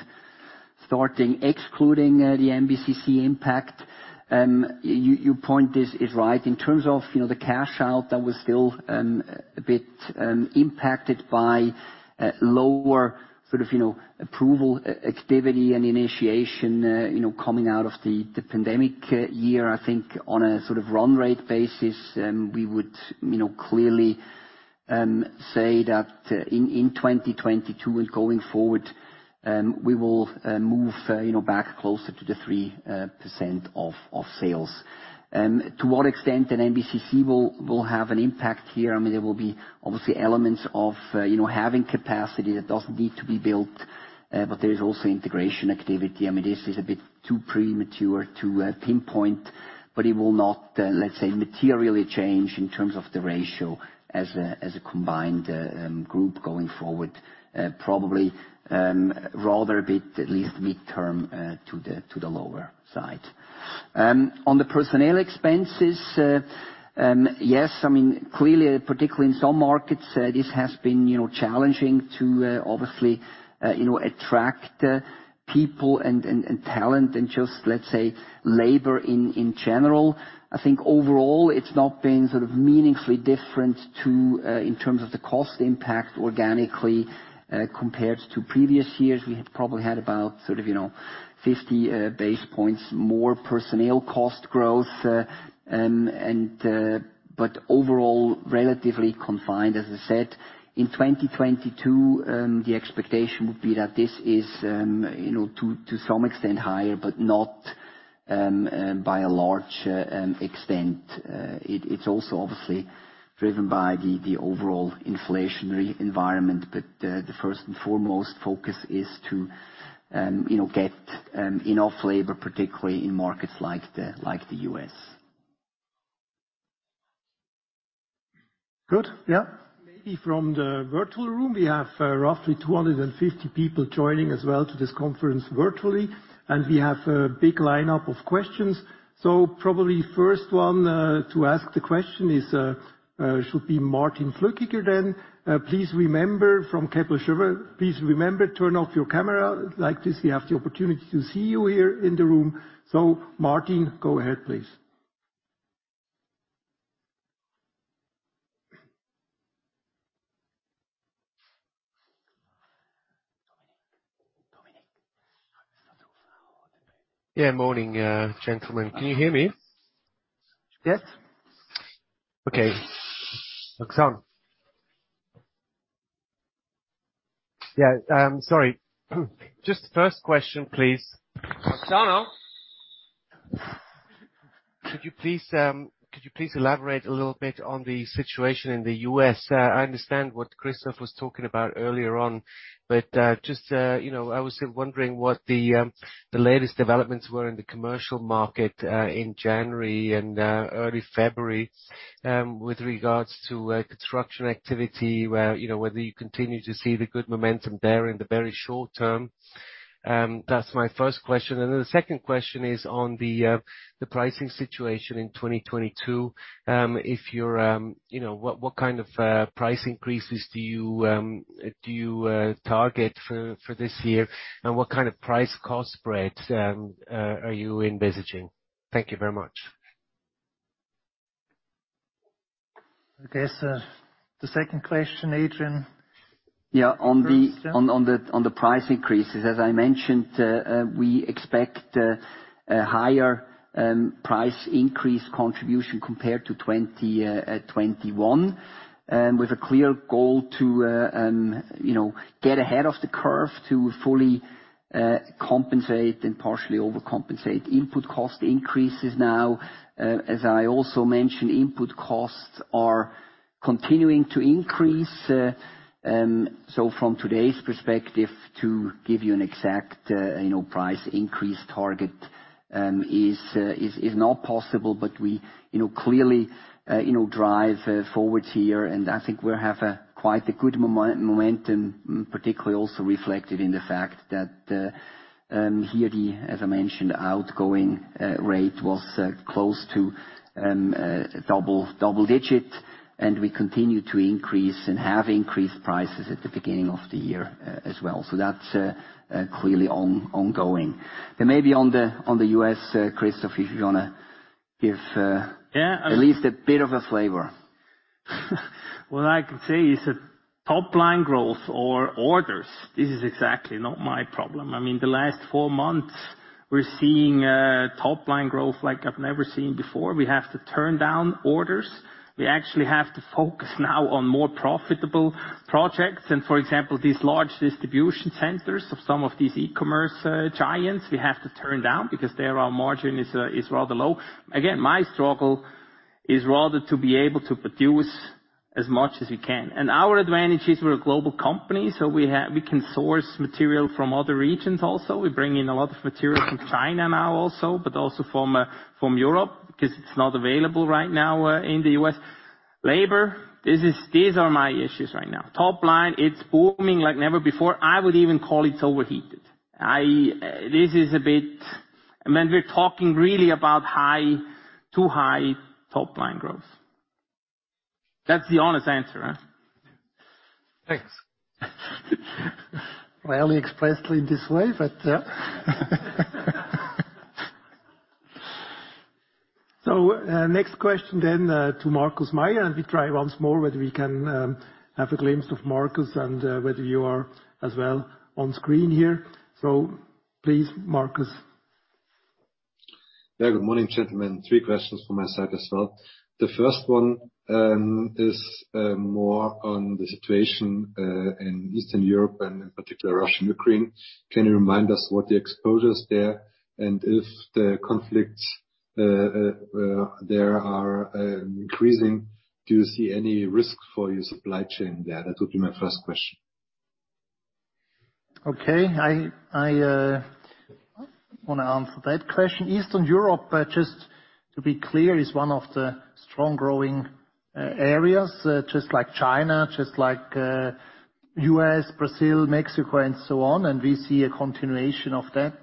starting excluding the MBCC impact. Your point is right. In terms of, you know, the cash out, that was still a bit impacted by lower sort of, you know, approval activity and initiation, you know, coming out of the pandemic year. I think on a sort of run rate basis, we would, you know, clearly say that in 2022 and going forward, we will move, you know, back closer to the 3% of sales. To what extent that MBCC will have an impact here, I mean, there will be obviously elements of, you know, having capacity that doesn't need to be built, but there is also integration activity. I mean, this is a bit too premature to pinpoint, but it will not, let's say, materially change in terms of the ratio as a combined group going forward. Probably, rather a bit at least midterm to the lower side. On the personnel expenses, yes, I mean, clearly, particularly in some markets, this has been, you know, challenging to obviously, you know, attract people and talent and just, let's say, labor in general. I think overall it's not been sort of meaningfully different to in terms of the cost impact organically compared to previous years. We had probably about sort of, you know, 50 basis points more personnel cost growth and overall, relatively confined, as I said. In 2022, the expectation would be that this is, you know, to some extent higher, but not by a large extent. It's also obviously driven by the overall inflationary environment, but the first and foremost focus is to, you know, get enough labor, particularly in markets like the U.S. Good. Yeah. Maybe from the virtual room. We have roughly 250 people joining as well to this conference virtually, and we have a big lineup of questions. Probably first one to ask the question should be Martin Flückiger then. Please remember from Kepler Cheuvrex, please remember to turn off your camera. Nice to have the opportunity to see you here in the room. So Martin go ahead, please. Yeah, morning, gentlemen. Can you hear me? Yes. Okay. Roxane? Yeah, sorry. Just first question, please. Roxane? Could you please elaborate a little bit on the situation in the U.S.? I understand what Christoph was talking about earlier on, but just, you know, I was still wondering what the latest developments were in the commercial market in January and early February with regards to construction activity, where, you know, whether you continue to see the good momentum there in the very short term. That's my first question. The second question is on the pricing situation in 2022. If you're, you know, what kind of price increases do you target for this year? What kind of price cost spreads are you envisaging? Thank you very much. I guess, the second question, Adrian? Yeah. First, yeah. On the price increases, as I mentioned, we expect a higher price increase contribution compared to 2021. With a clear goal to you know get ahead of the curve to fully compensate and partially overcompensate input cost increases now. As I also mentioned, input costs are continuing to increase. So from today's perspective, to give you an exact you know price increase target is not possible. But we you know clearly you know drive forwards here, and I think we have quite a good momentum, particularly also reflected in the fact that, as I mentioned, the outgoing rate was close to double digit. We continue to increase and have increased prices at the beginning of the year, as well. That's clearly ongoing. Maybe on the U.S., Christoph, if you wanna give. Yeah. At least a bit of a flavor. What I can say is that top line growth or orders, this is exactly not my problem. I mean, the last four months we're seeing top line growth like I've never seen before. We have to turn down orders. We actually have to focus now on more profitable projects. For example, these large distribution centers of some of these e-commerce giants, we have to turn down because there our margin is rather low. Again, my struggle is rather to be able to produce as much as we can. Our advantage is we're a global company, so we can source material from other regions also. We bring in a lot of materials from China now also, but also from Europe, because it's not available right now in the U.S. Labor, this is. These are my issues right now. Top line, it's booming like never before. I would even call it overheated. This is a bit. I mean, we're talking really about high to high top-line growth. That's the honest answer, huh? Thanks. Rarely expressed in this way, but so next question then to Markus Mayer. We try once more whether we can have a glimpse of Markus and whether you are as well on screen here. Please, Markus. Yeah. Good morning, gentlemen. Three questions from my side as well. The first one is more on the situation in Eastern Europe and in particular Russia and Ukraine. Can you remind us what the exposure is there? If the conflicts there are increasing, do you see any risk for your supply chain there? That would be my first question. Okay. I want to answer that question. Eastern Europe, just to be clear, is one of the strong growing areas, just like China, just like U.S., Brazil, Mexico and so on. We see a continuation of that.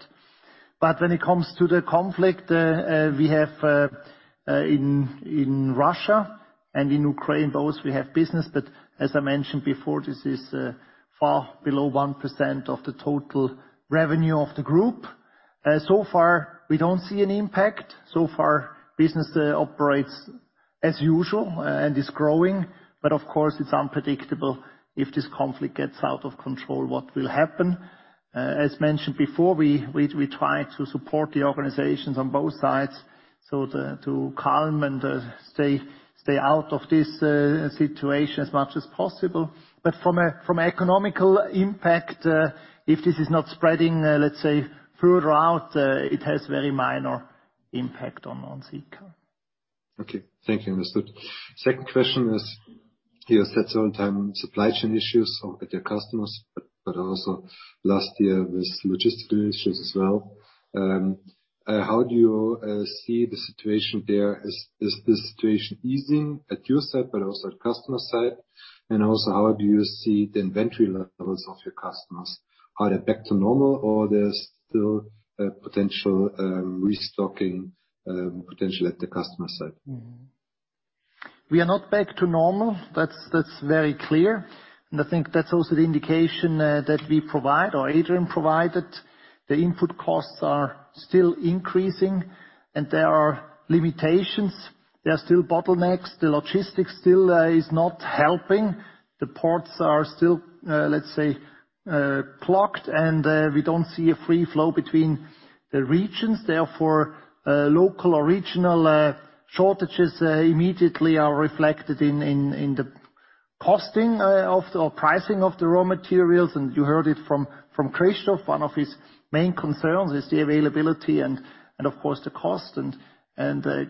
When it comes to the conflict, we have in Russia and in Ukraine, both we have business, but as I mentioned before, this is far below 1% of the total revenue of the group. So far we don't see any impact. So far business operates as usual and is growing. Of course it's unpredictable if this conflict gets out of control, what will happen. As mentioned before, we try to support the organizations on both sides so to calm and stay out of this situation as much as possible. From an economic impact, if this is not spreading, let's say, further out, it has very minor impact on Sika. Okay. Thank you. Understood. Second question is, you said some supply chain issues with your customers, but also last year with logistical issues as well. How do you see the situation there? Is the situation easing at your side but also at customer side? And also how do you see the inventory levels of your customers? Are they back to normal or there's still potential restocking potential at the customer side? We are not back to normal. That's very clear. I think that's also the indication that we provide, or Adrian provided. The input costs are still increasing and there are limitations. There are still bottlenecks. The logistics still is not helping. The ports are still, let's say, clogged, and we don't see a free flow between the regions. Therefore, local or regional shortages immediately are reflected in the costing or pricing of the raw materials. You heard it from Christoph, one of his main concerns is the availability and of course the cost.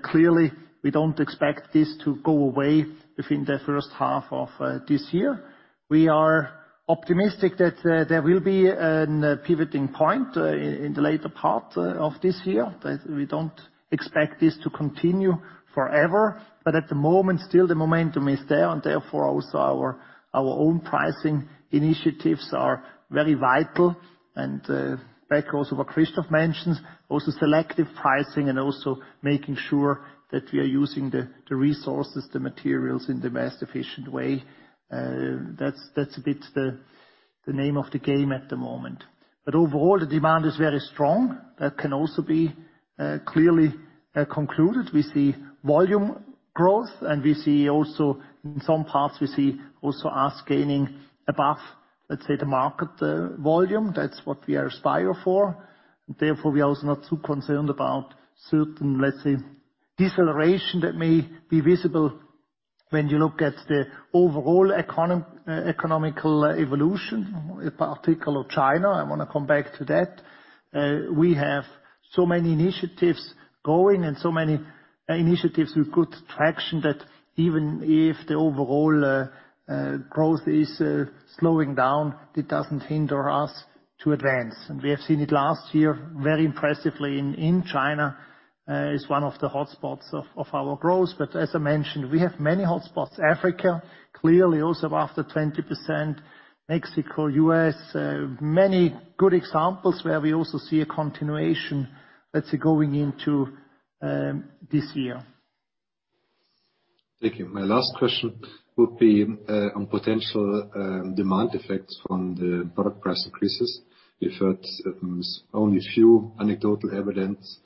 Clearly we don't expect this to go away within the first half of this year. We are optimistic that there will be a pivoting point in the later part of this year. We don't expect this to continue forever. At the moment, still the momentum is there and therefore also our own pricing initiatives are very vital. Back also what Christoph mentions, also selective pricing and also making sure that we are using the resources, the materials in the most efficient way. That's a bit the name of the game at the moment. Overall the demand is very strong. That can also be clearly concluded. We see volume growth and we see also in some parts we see also us gaining above, let's say, the market volume. That's what we are aspire for. Therefore we are also not too concerned about certain, let's say, deceleration that may be visible when you look at the overall economic evolution, in particular China. I wanna come back to that. We have so many initiatives growing and so many initiatives with good traction that even if the overall growth is slowing down, it doesn't hinder us to advance. We have seen it last year very impressively in China, which is one of the hotspots of our growth. As I mentioned, we have many hotspots. Africa clearly also up over 20%. Mexico, U.S., many good examples where we also see a continuation, let's say, going into this year. Thank you. My last question would be on potential demand effects from the product price increases. We've heard only few anecdotal evidence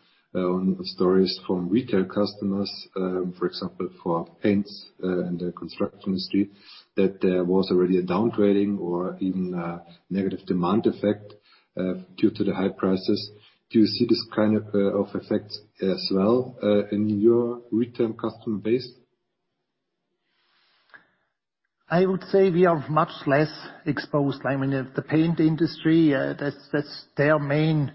stories from retail customers, for example, for paints in the construction industry, that there was already a downgrading or even a negative demand effect due to the high prices. Do you see this kind of effect as well in your retail customer base? I would say we are much less exposed. I mean, the paint industry, that's their main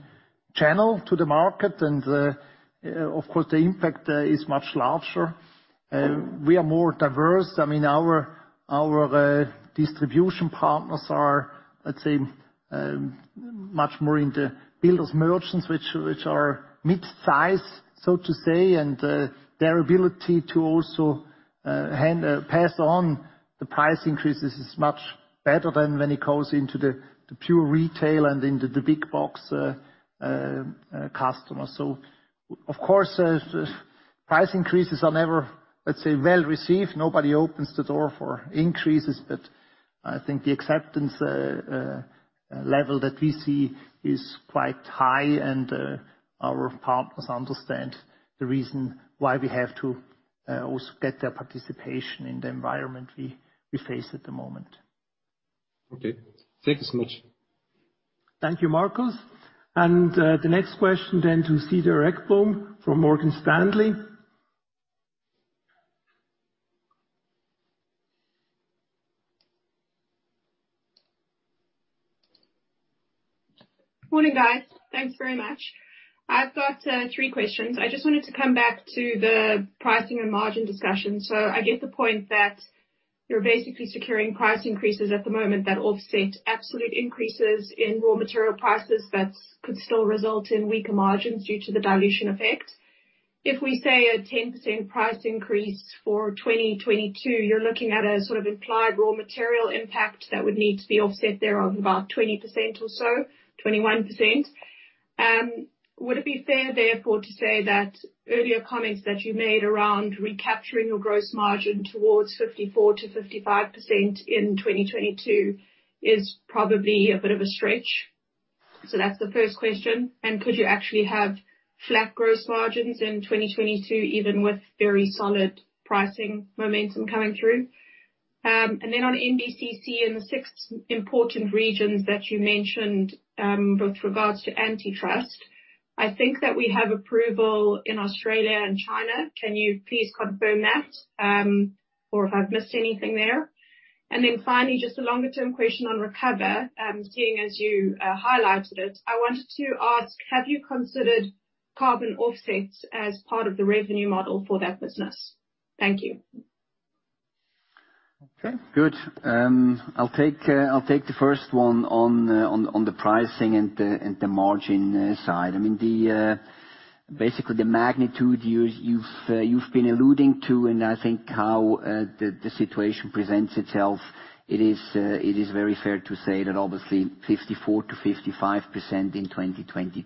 channel to the market. Of course, the impact is much larger. We are more diverse. I mean, our distribution partners are, let's say, much more into builders merchants, which are mid-size, so to say. Their ability to also pass on the price increases is much better than when it goes into the pure retail and into the big box customer. Of course, price increases are never, let's say, well-received. Nobody opens the door for increases. I think the acceptance level that we see is quite high and our partners understand the reason why we have to also get their participation in the environment we face at the moment. Okay, thank you so much. Thank you, Markus. The next question then to Cedar Ekblom from Morgan Stanley. Morning, guys. Thanks very much. I've got three questions. I just wanted to come back to the pricing and margin discussion. I get the point that you're basically securing price increases at the moment that offset absolute increases in raw material prices that could still result in weaker margins due to the dilution effect. If we say a 10% price increase for 2022, you're looking at a sort of implied raw material impact that would need to be offset there of about 20% or so, 21%. Would it be fair therefore to say that earlier comments that you made around recapturing your gross margin towards 54%-55% in 2022 is probably a bit of a stretch? That's the first question. Could you actually have flat gross margins in 2022, even with very solid pricing momentum coming through? On MBCC, in the six important regions that you mentioned, with regards to antitrust, I think that we have approval in Australia and China. Can you please confirm that, or if I've missed anything there? Finally, just a longer term question on reCO2ver, seeing as you highlighted it, I wanted to ask, have you considered carbon offsets as part of the revenue model for that business? Thank you. Okay, good. I'll take the first one on the pricing and the margin side. I mean, the, basically the magnitude you've been alluding to, and I think how the situation presents itself, it is very fair to say that obviously 54%-55% in 2022,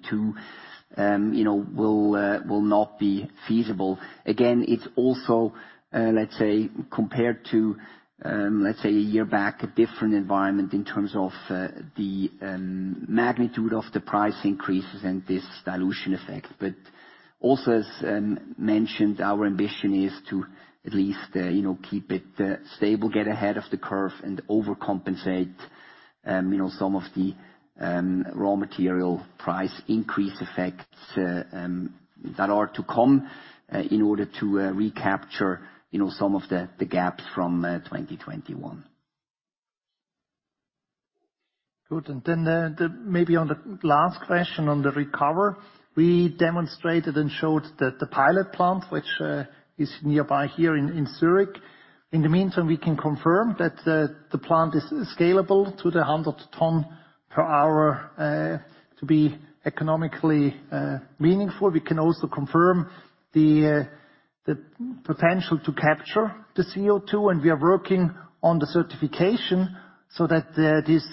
you know, will not be feasible. Again, it's also, let's say, compared to, let's say a year back, a different environment in terms of the magnitude of the price increases and this dilution effect. Also, as mentioned, our ambition is to at least, you know, keep it stable, get ahead of the curve, and overcompensate, you know, some of the raw material price increase effects that are to come in order to recapture, you know, some of the gaps from 2021. Good. Maybe on the last question on the reCO2ver, we demonstrated and showed that the pilot plant, which is nearby here in Zurich. In the meantime, we can confirm that the plant is scalable to the 100 ton per hour to be economically meaningful. We can also confirm the potential to capture the CO2, and we are working on the certification so that this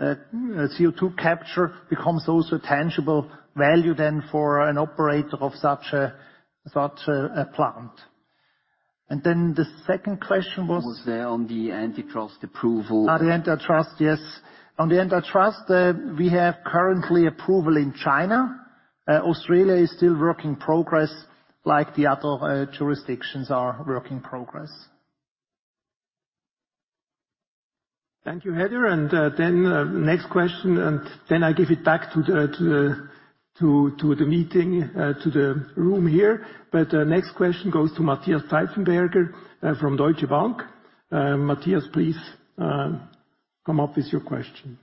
CO2 capture becomes also tangible value then for an operator of such a plant. The second question was? Was on the antitrust approval. On the antitrust, yes. We currently have approval in China. Australia is still work in progress, like the other jurisdictions are work in progress. Thank you, Cedar. Then, next question, and then I give it back to the meeting, to the room here. Next question goes to Matthias Pfeifenberger from Deutsche Bank. Matthias, please, come up with your question.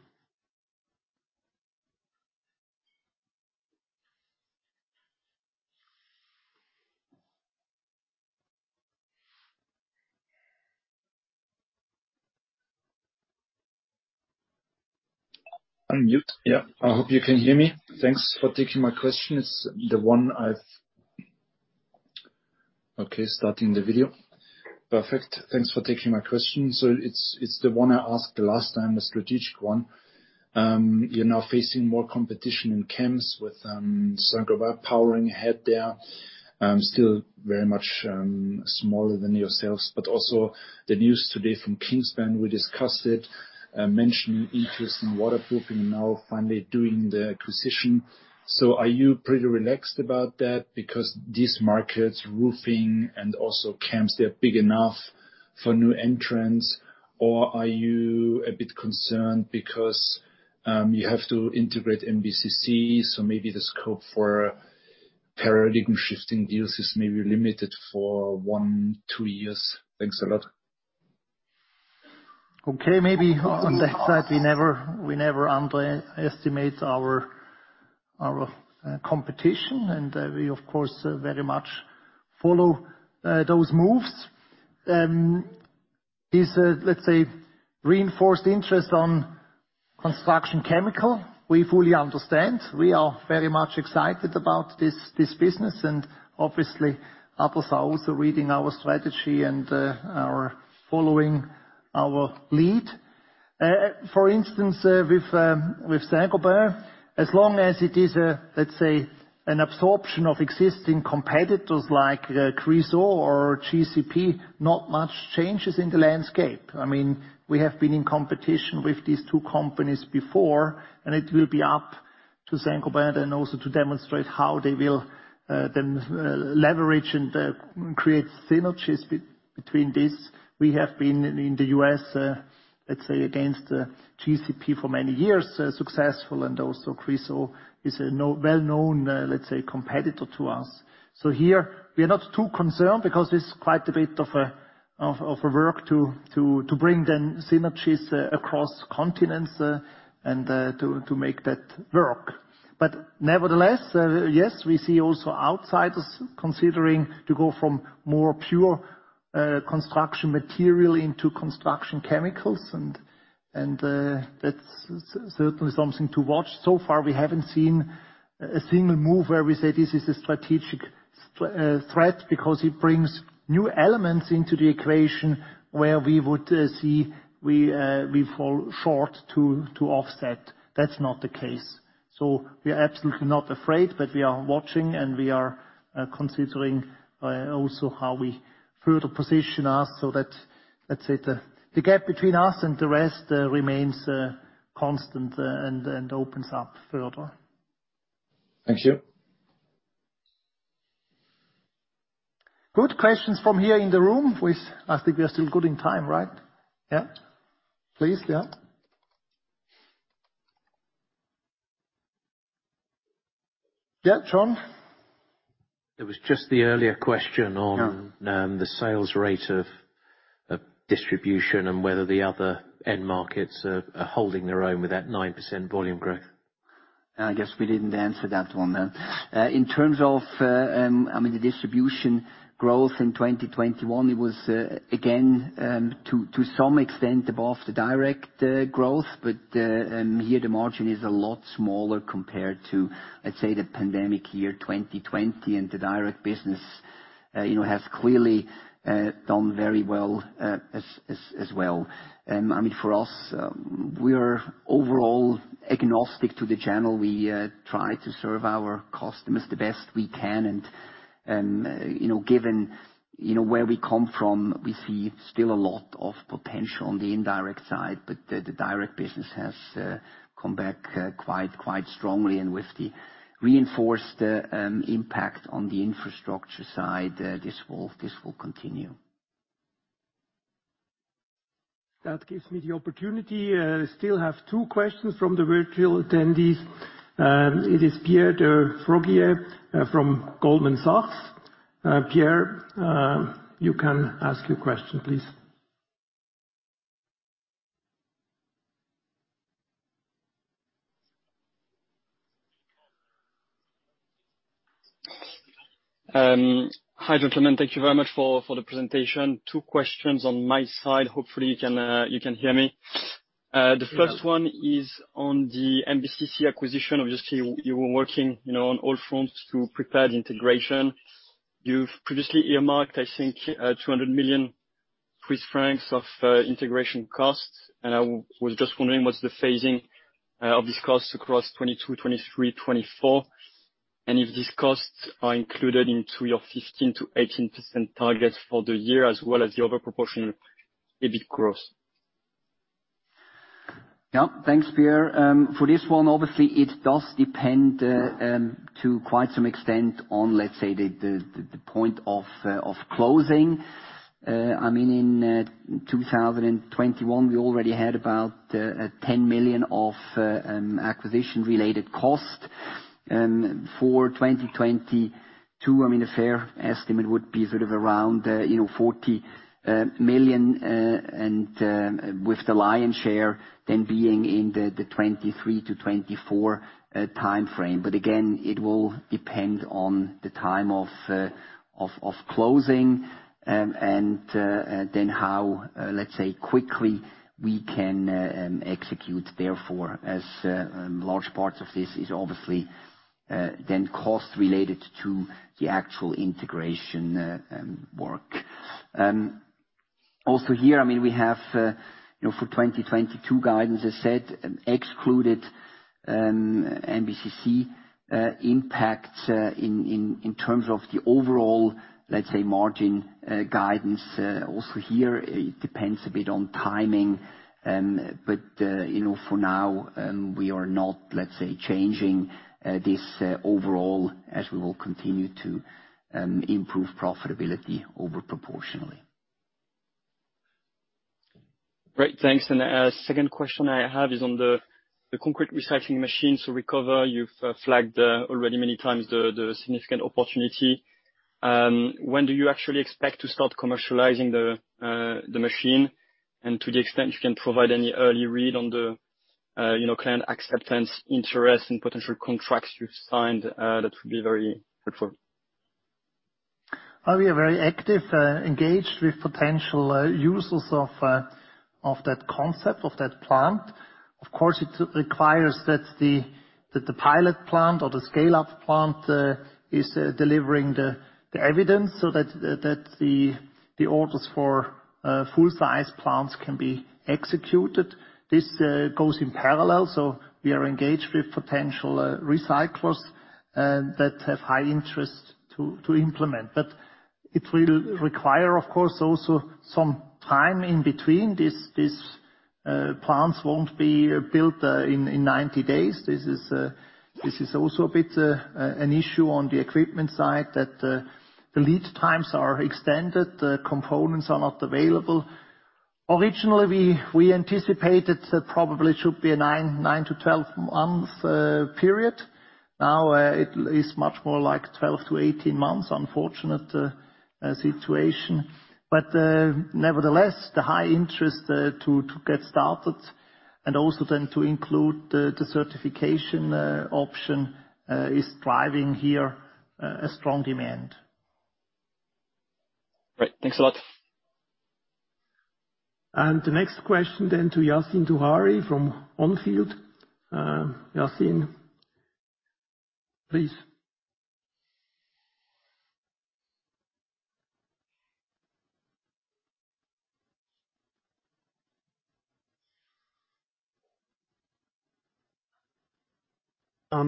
Thanks for taking my question. It's the one I asked the last time, a strategic one. You're now facing more competition in chems with Saint-Gobain powering ahead there. Still very much smaller than yourselves, but also the news today from Kingspan, we discussed it, mentioning interest in waterproofing and now finally doing the acquisition. Are you pretty relaxed about that because these markets, roofing and also chems, they are big enough for new entrants? Or are you a bit concerned because you have to integrate MBCC, so maybe the scope for paradigm-shifting deals is maybe limited for one, two years? Thanks a lot. Okay, maybe on that side we never underestimate our competition. We of course very much follow those moves. It's a, let's say, reinforced interest in construction chemicals. We fully understand. We are very much excited about this business. Obviously, others are also reading our strategy and are following our lead. For instance, with Saint-Gobain, as long as it is a, let's say, an absorption of existing competitors like Chryso or GCP, not much changes in the landscape. I mean, we have been in competition with these two companies before, and it will be up to Saint-Gobain then also to demonstrate how they will then leverage and create synergies between this. We have been in the U.S., let's say, against GCP for many years, successful and also Chryso is a well-known, let's say, competitor to us. Here we are not too concerned because it's quite a bit of a work to bring the synergies across continents, and to make that work. Nevertheless, yes, we see also outsiders considering to go from more pure construction material into construction chemicals and, that's certainly something to watch. So far, we haven't seen a single move where we say this is a strategic threat because it brings new elements into the equation where we would see we fall short to offset. That's not the case. We are absolutely not afraid, but we are watching and we are considering also how we further position us so that, let's say, the gap between us and the rest remains constant and opens up further. Thank you. Good questions from here in the room. I think we are still good in time, right? Yeah. Please, yeah. Yeah, John. It was just the earlier question on. Yeah. The sales rate of distribution and whether the other end markets are holding their own with that 9% volume growth. I guess we didn't answer that one then. In terms of, I mean, the distribution growth in 2021, it was, again, to some extent above the direct growth. Here the margin is a lot smaller compared to, I'd say, the pandemic year, 2020, and the direct business, you know, has clearly done very well, as well. I mean, for us, we are overall agnostic to the channel. We try to serve our customers the best we can. You know, given, you know, where we come from, we see still a lot of potential on the indirect side, but the direct business has come back quite strongly. With the reinforced impact on the infrastructure side, this will continue. That gives me the opportunity, I still have two questions from the virtual attendees. It is Pierre de Fraguier from Goldman Sachs. Pierre, you can ask your question, please. Hi, gentlemen. Thank you very much for the presentation. Two questions on my side. Hopefully you can hear me. The first one is on the MBCC acquisition. Obviously you were working, you know, on all fronts to prepare the integration. You've previously earmarked, I think, 200 million Swiss francs of integration costs, and I was just wondering, what's the phasing of these costs across 2022, 2023, 2024? And if these costs are included into your 15%-18% targets for the year as well as the over proportional EBIT growth. Yeah. Thanks, Pierre. For this one, obviously it does depend to quite some extent on, let's say, the point of closing. I mean, in 2021, we already had about 10 million of acquisition-related cost. For 2022, I mean, a fair estimate would be sort of around, you know, 40 million. And with the lion's share then being in the 2023-2024 timeframe. But again, it will depend on the time of closing, and then how, let's say, quickly we can execute therefore as large parts of this is obviously then cost related to the actual integration work. Also here, I mean, we have, you know, for 2022 guidance, as said, excluded MBCC impact in terms of the overall, let's say, margin guidance. Also here, it depends a bit on timing, but you know, for now, we are not, let's say, changing this overall as we will continue to improve profitability over proportionally. Great. Thanks. A second question I have is on the concrete recycling machine. reCO2ver, you've flagged already many times the significant opportunity. When do you actually expect to start commercializing the machine? And to the extent you can provide any early read on the you know, client acceptance interest and potential contracts you've signed, that would be very helpful. We are very active, engaged with potential users of that concept, of that plant. Of course, it requires that the pilot plant or the scale-up plant is delivering the evidence so that the orders for full-size plants can be executed. This goes in parallel, so we are engaged with potential recyclers that have high interest to implement. It will require, of course, also some time in between. These plants won't be built in 90 days. This is also a bit an issue on the equipment side, that the lead times are extended, the components are not available. Originally, we anticipated that probably should be a nine to 12-month period. Now, it is much more like 12 months-18 months. Unfortunate situation. Nevertheless, the high interest to get started and also then to include the certification option is driving here a strong demand. Great. Thanks a lot. The next question to Yassine Touahri from On Field Investment Research. Yassine, please. Yes.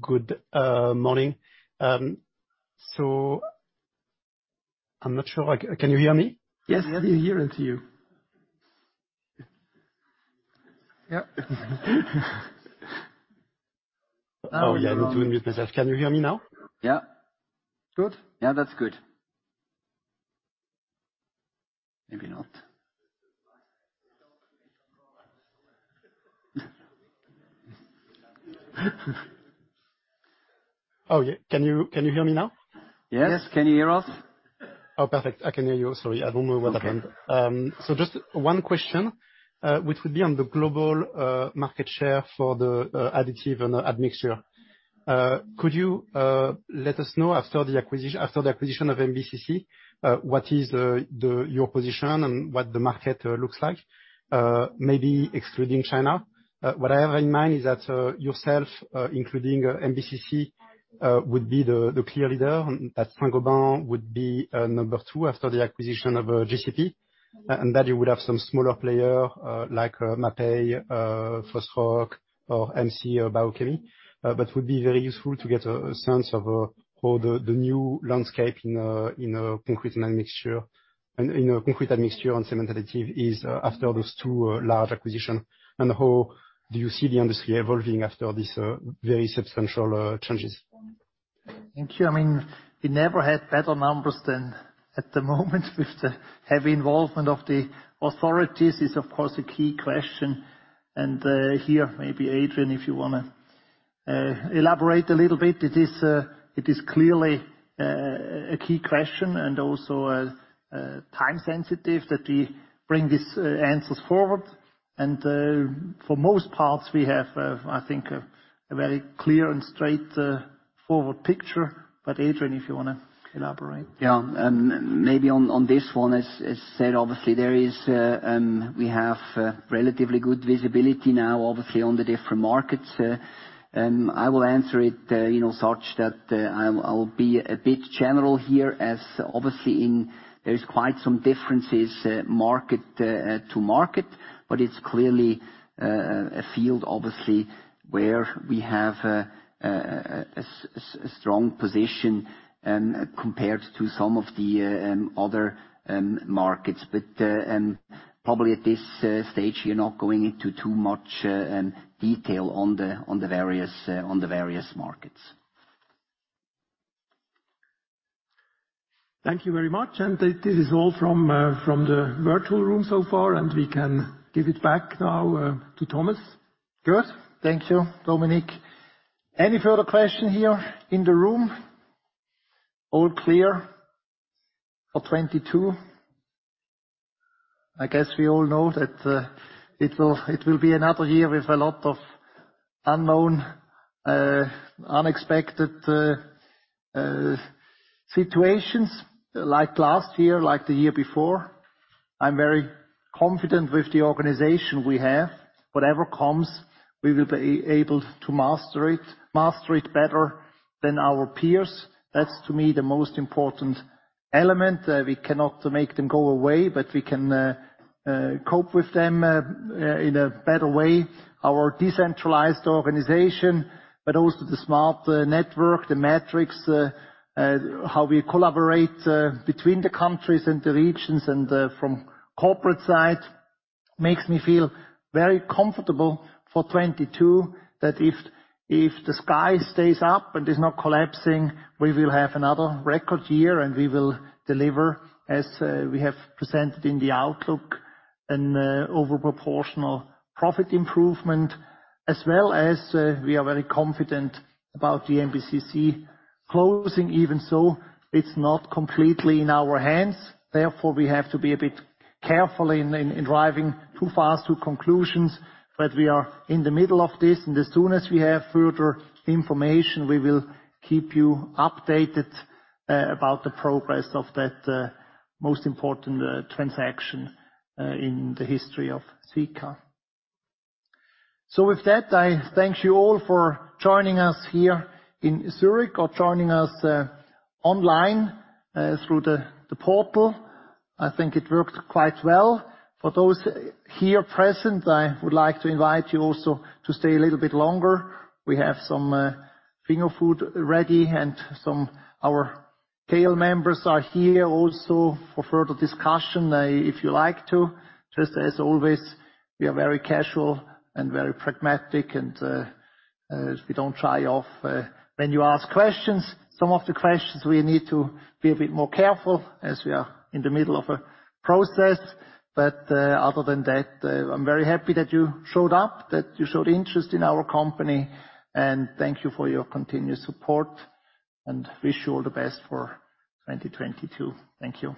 Good morning. I'm not sure. Can you hear me? Yes, we are hearing you. Yep. Oh, yeah. I'm unmuting myself. Can you hear me now? Yeah. Good. Yeah, that's good. Maybe not. Oh, yeah. Can you hear me now? Yes. Can you hear us? Oh, perfect. I can hear you. Sorry, I don't know what happened. Okay. Just one question, which would be on the global market share for the additive and the admixture. Could you let us know after the acquisition of MBCC, what is your position and what the market looks like? Maybe excluding China. What I have in mind is that yourself including MBCC would be the clear leader, and that Saint-Gobain would be number two after the acquisition of GCP. And that you would have some smaller player like Mapei, Fosroc, or MC-Bauchemie. That would be very useful to get a sense of how the new landscape in concrete admixtures and cement additives is after those two large acquisitions. How do you see the industry evolving after all these very substantial changes? Thank you. I mean, we never had better numbers than at the moment. With the heavy involvement of the authorities, it is of course a key question. Here, maybe Adrian, if you wanna elaborate a little bit. It is clearly a key question, and also time sensitive that we bring these answers forward. For most parts, we have, I think, a very clear and straightforward picture. But Adrian, if you wanna elaborate. Yeah, maybe on this one, as said, obviously we have relatively good visibility now, obviously on the different markets. I will answer it, you know, such that I'll be a bit general here as obviously there is quite some differences, market to market, but it's clearly a field obviously where we have a strong position compared to some of the other markets. Probably at this stage, you're not going into too much detail on the various markets. Thank you very much. This is all from the virtual room so far, and we can give it back now to Thomas. Good. Thank you, Dominik. Any further question here in the room? All clear for 2022. I guess we all know that it will be another year with a lot of unknown unexpected situations like last year, like the year before. I'm very confident with the organization we have. Whatever comes, we will be able to master it better than our peers. That's to me the most important element. We cannot make them go away, but we can cope with them in a better way. Our decentralized organization, but also the smart network, the metrics, how we collaborate between the countries and the regions, and from corporate side, makes me feel very comfortable for 2022. That if the sky stays up and is not collapsing, we will have another record year, and we will deliver as we have presented in the outlook, an over proportional profit improvement, as well as we are very confident about the MBCC closing even so. It's not completely in our hands, therefore we have to be a bit careful in driving too fast to conclusions. We are in the middle of this, and as soon as we have further information, we will keep you updated about the progress of that most important transaction in the history of Sika. With that, I thank you all for joining us here in Zurich or joining us online through the portal. I think it worked quite well. For those here present, I would like to invite you also to stay a little bit longer. We have some finger food ready. Our team members are here also for further discussion if you like to. Just as always, we are very casual and very pragmatic and we don't shy away when you ask questions. Some of the questions we need to be a bit more careful, as we are in the middle of a process. Other than that, I'm very happy that you showed up, that you showed interest in our company, and thank you for your continuous support, and wish you all the best for 2022. Thank you.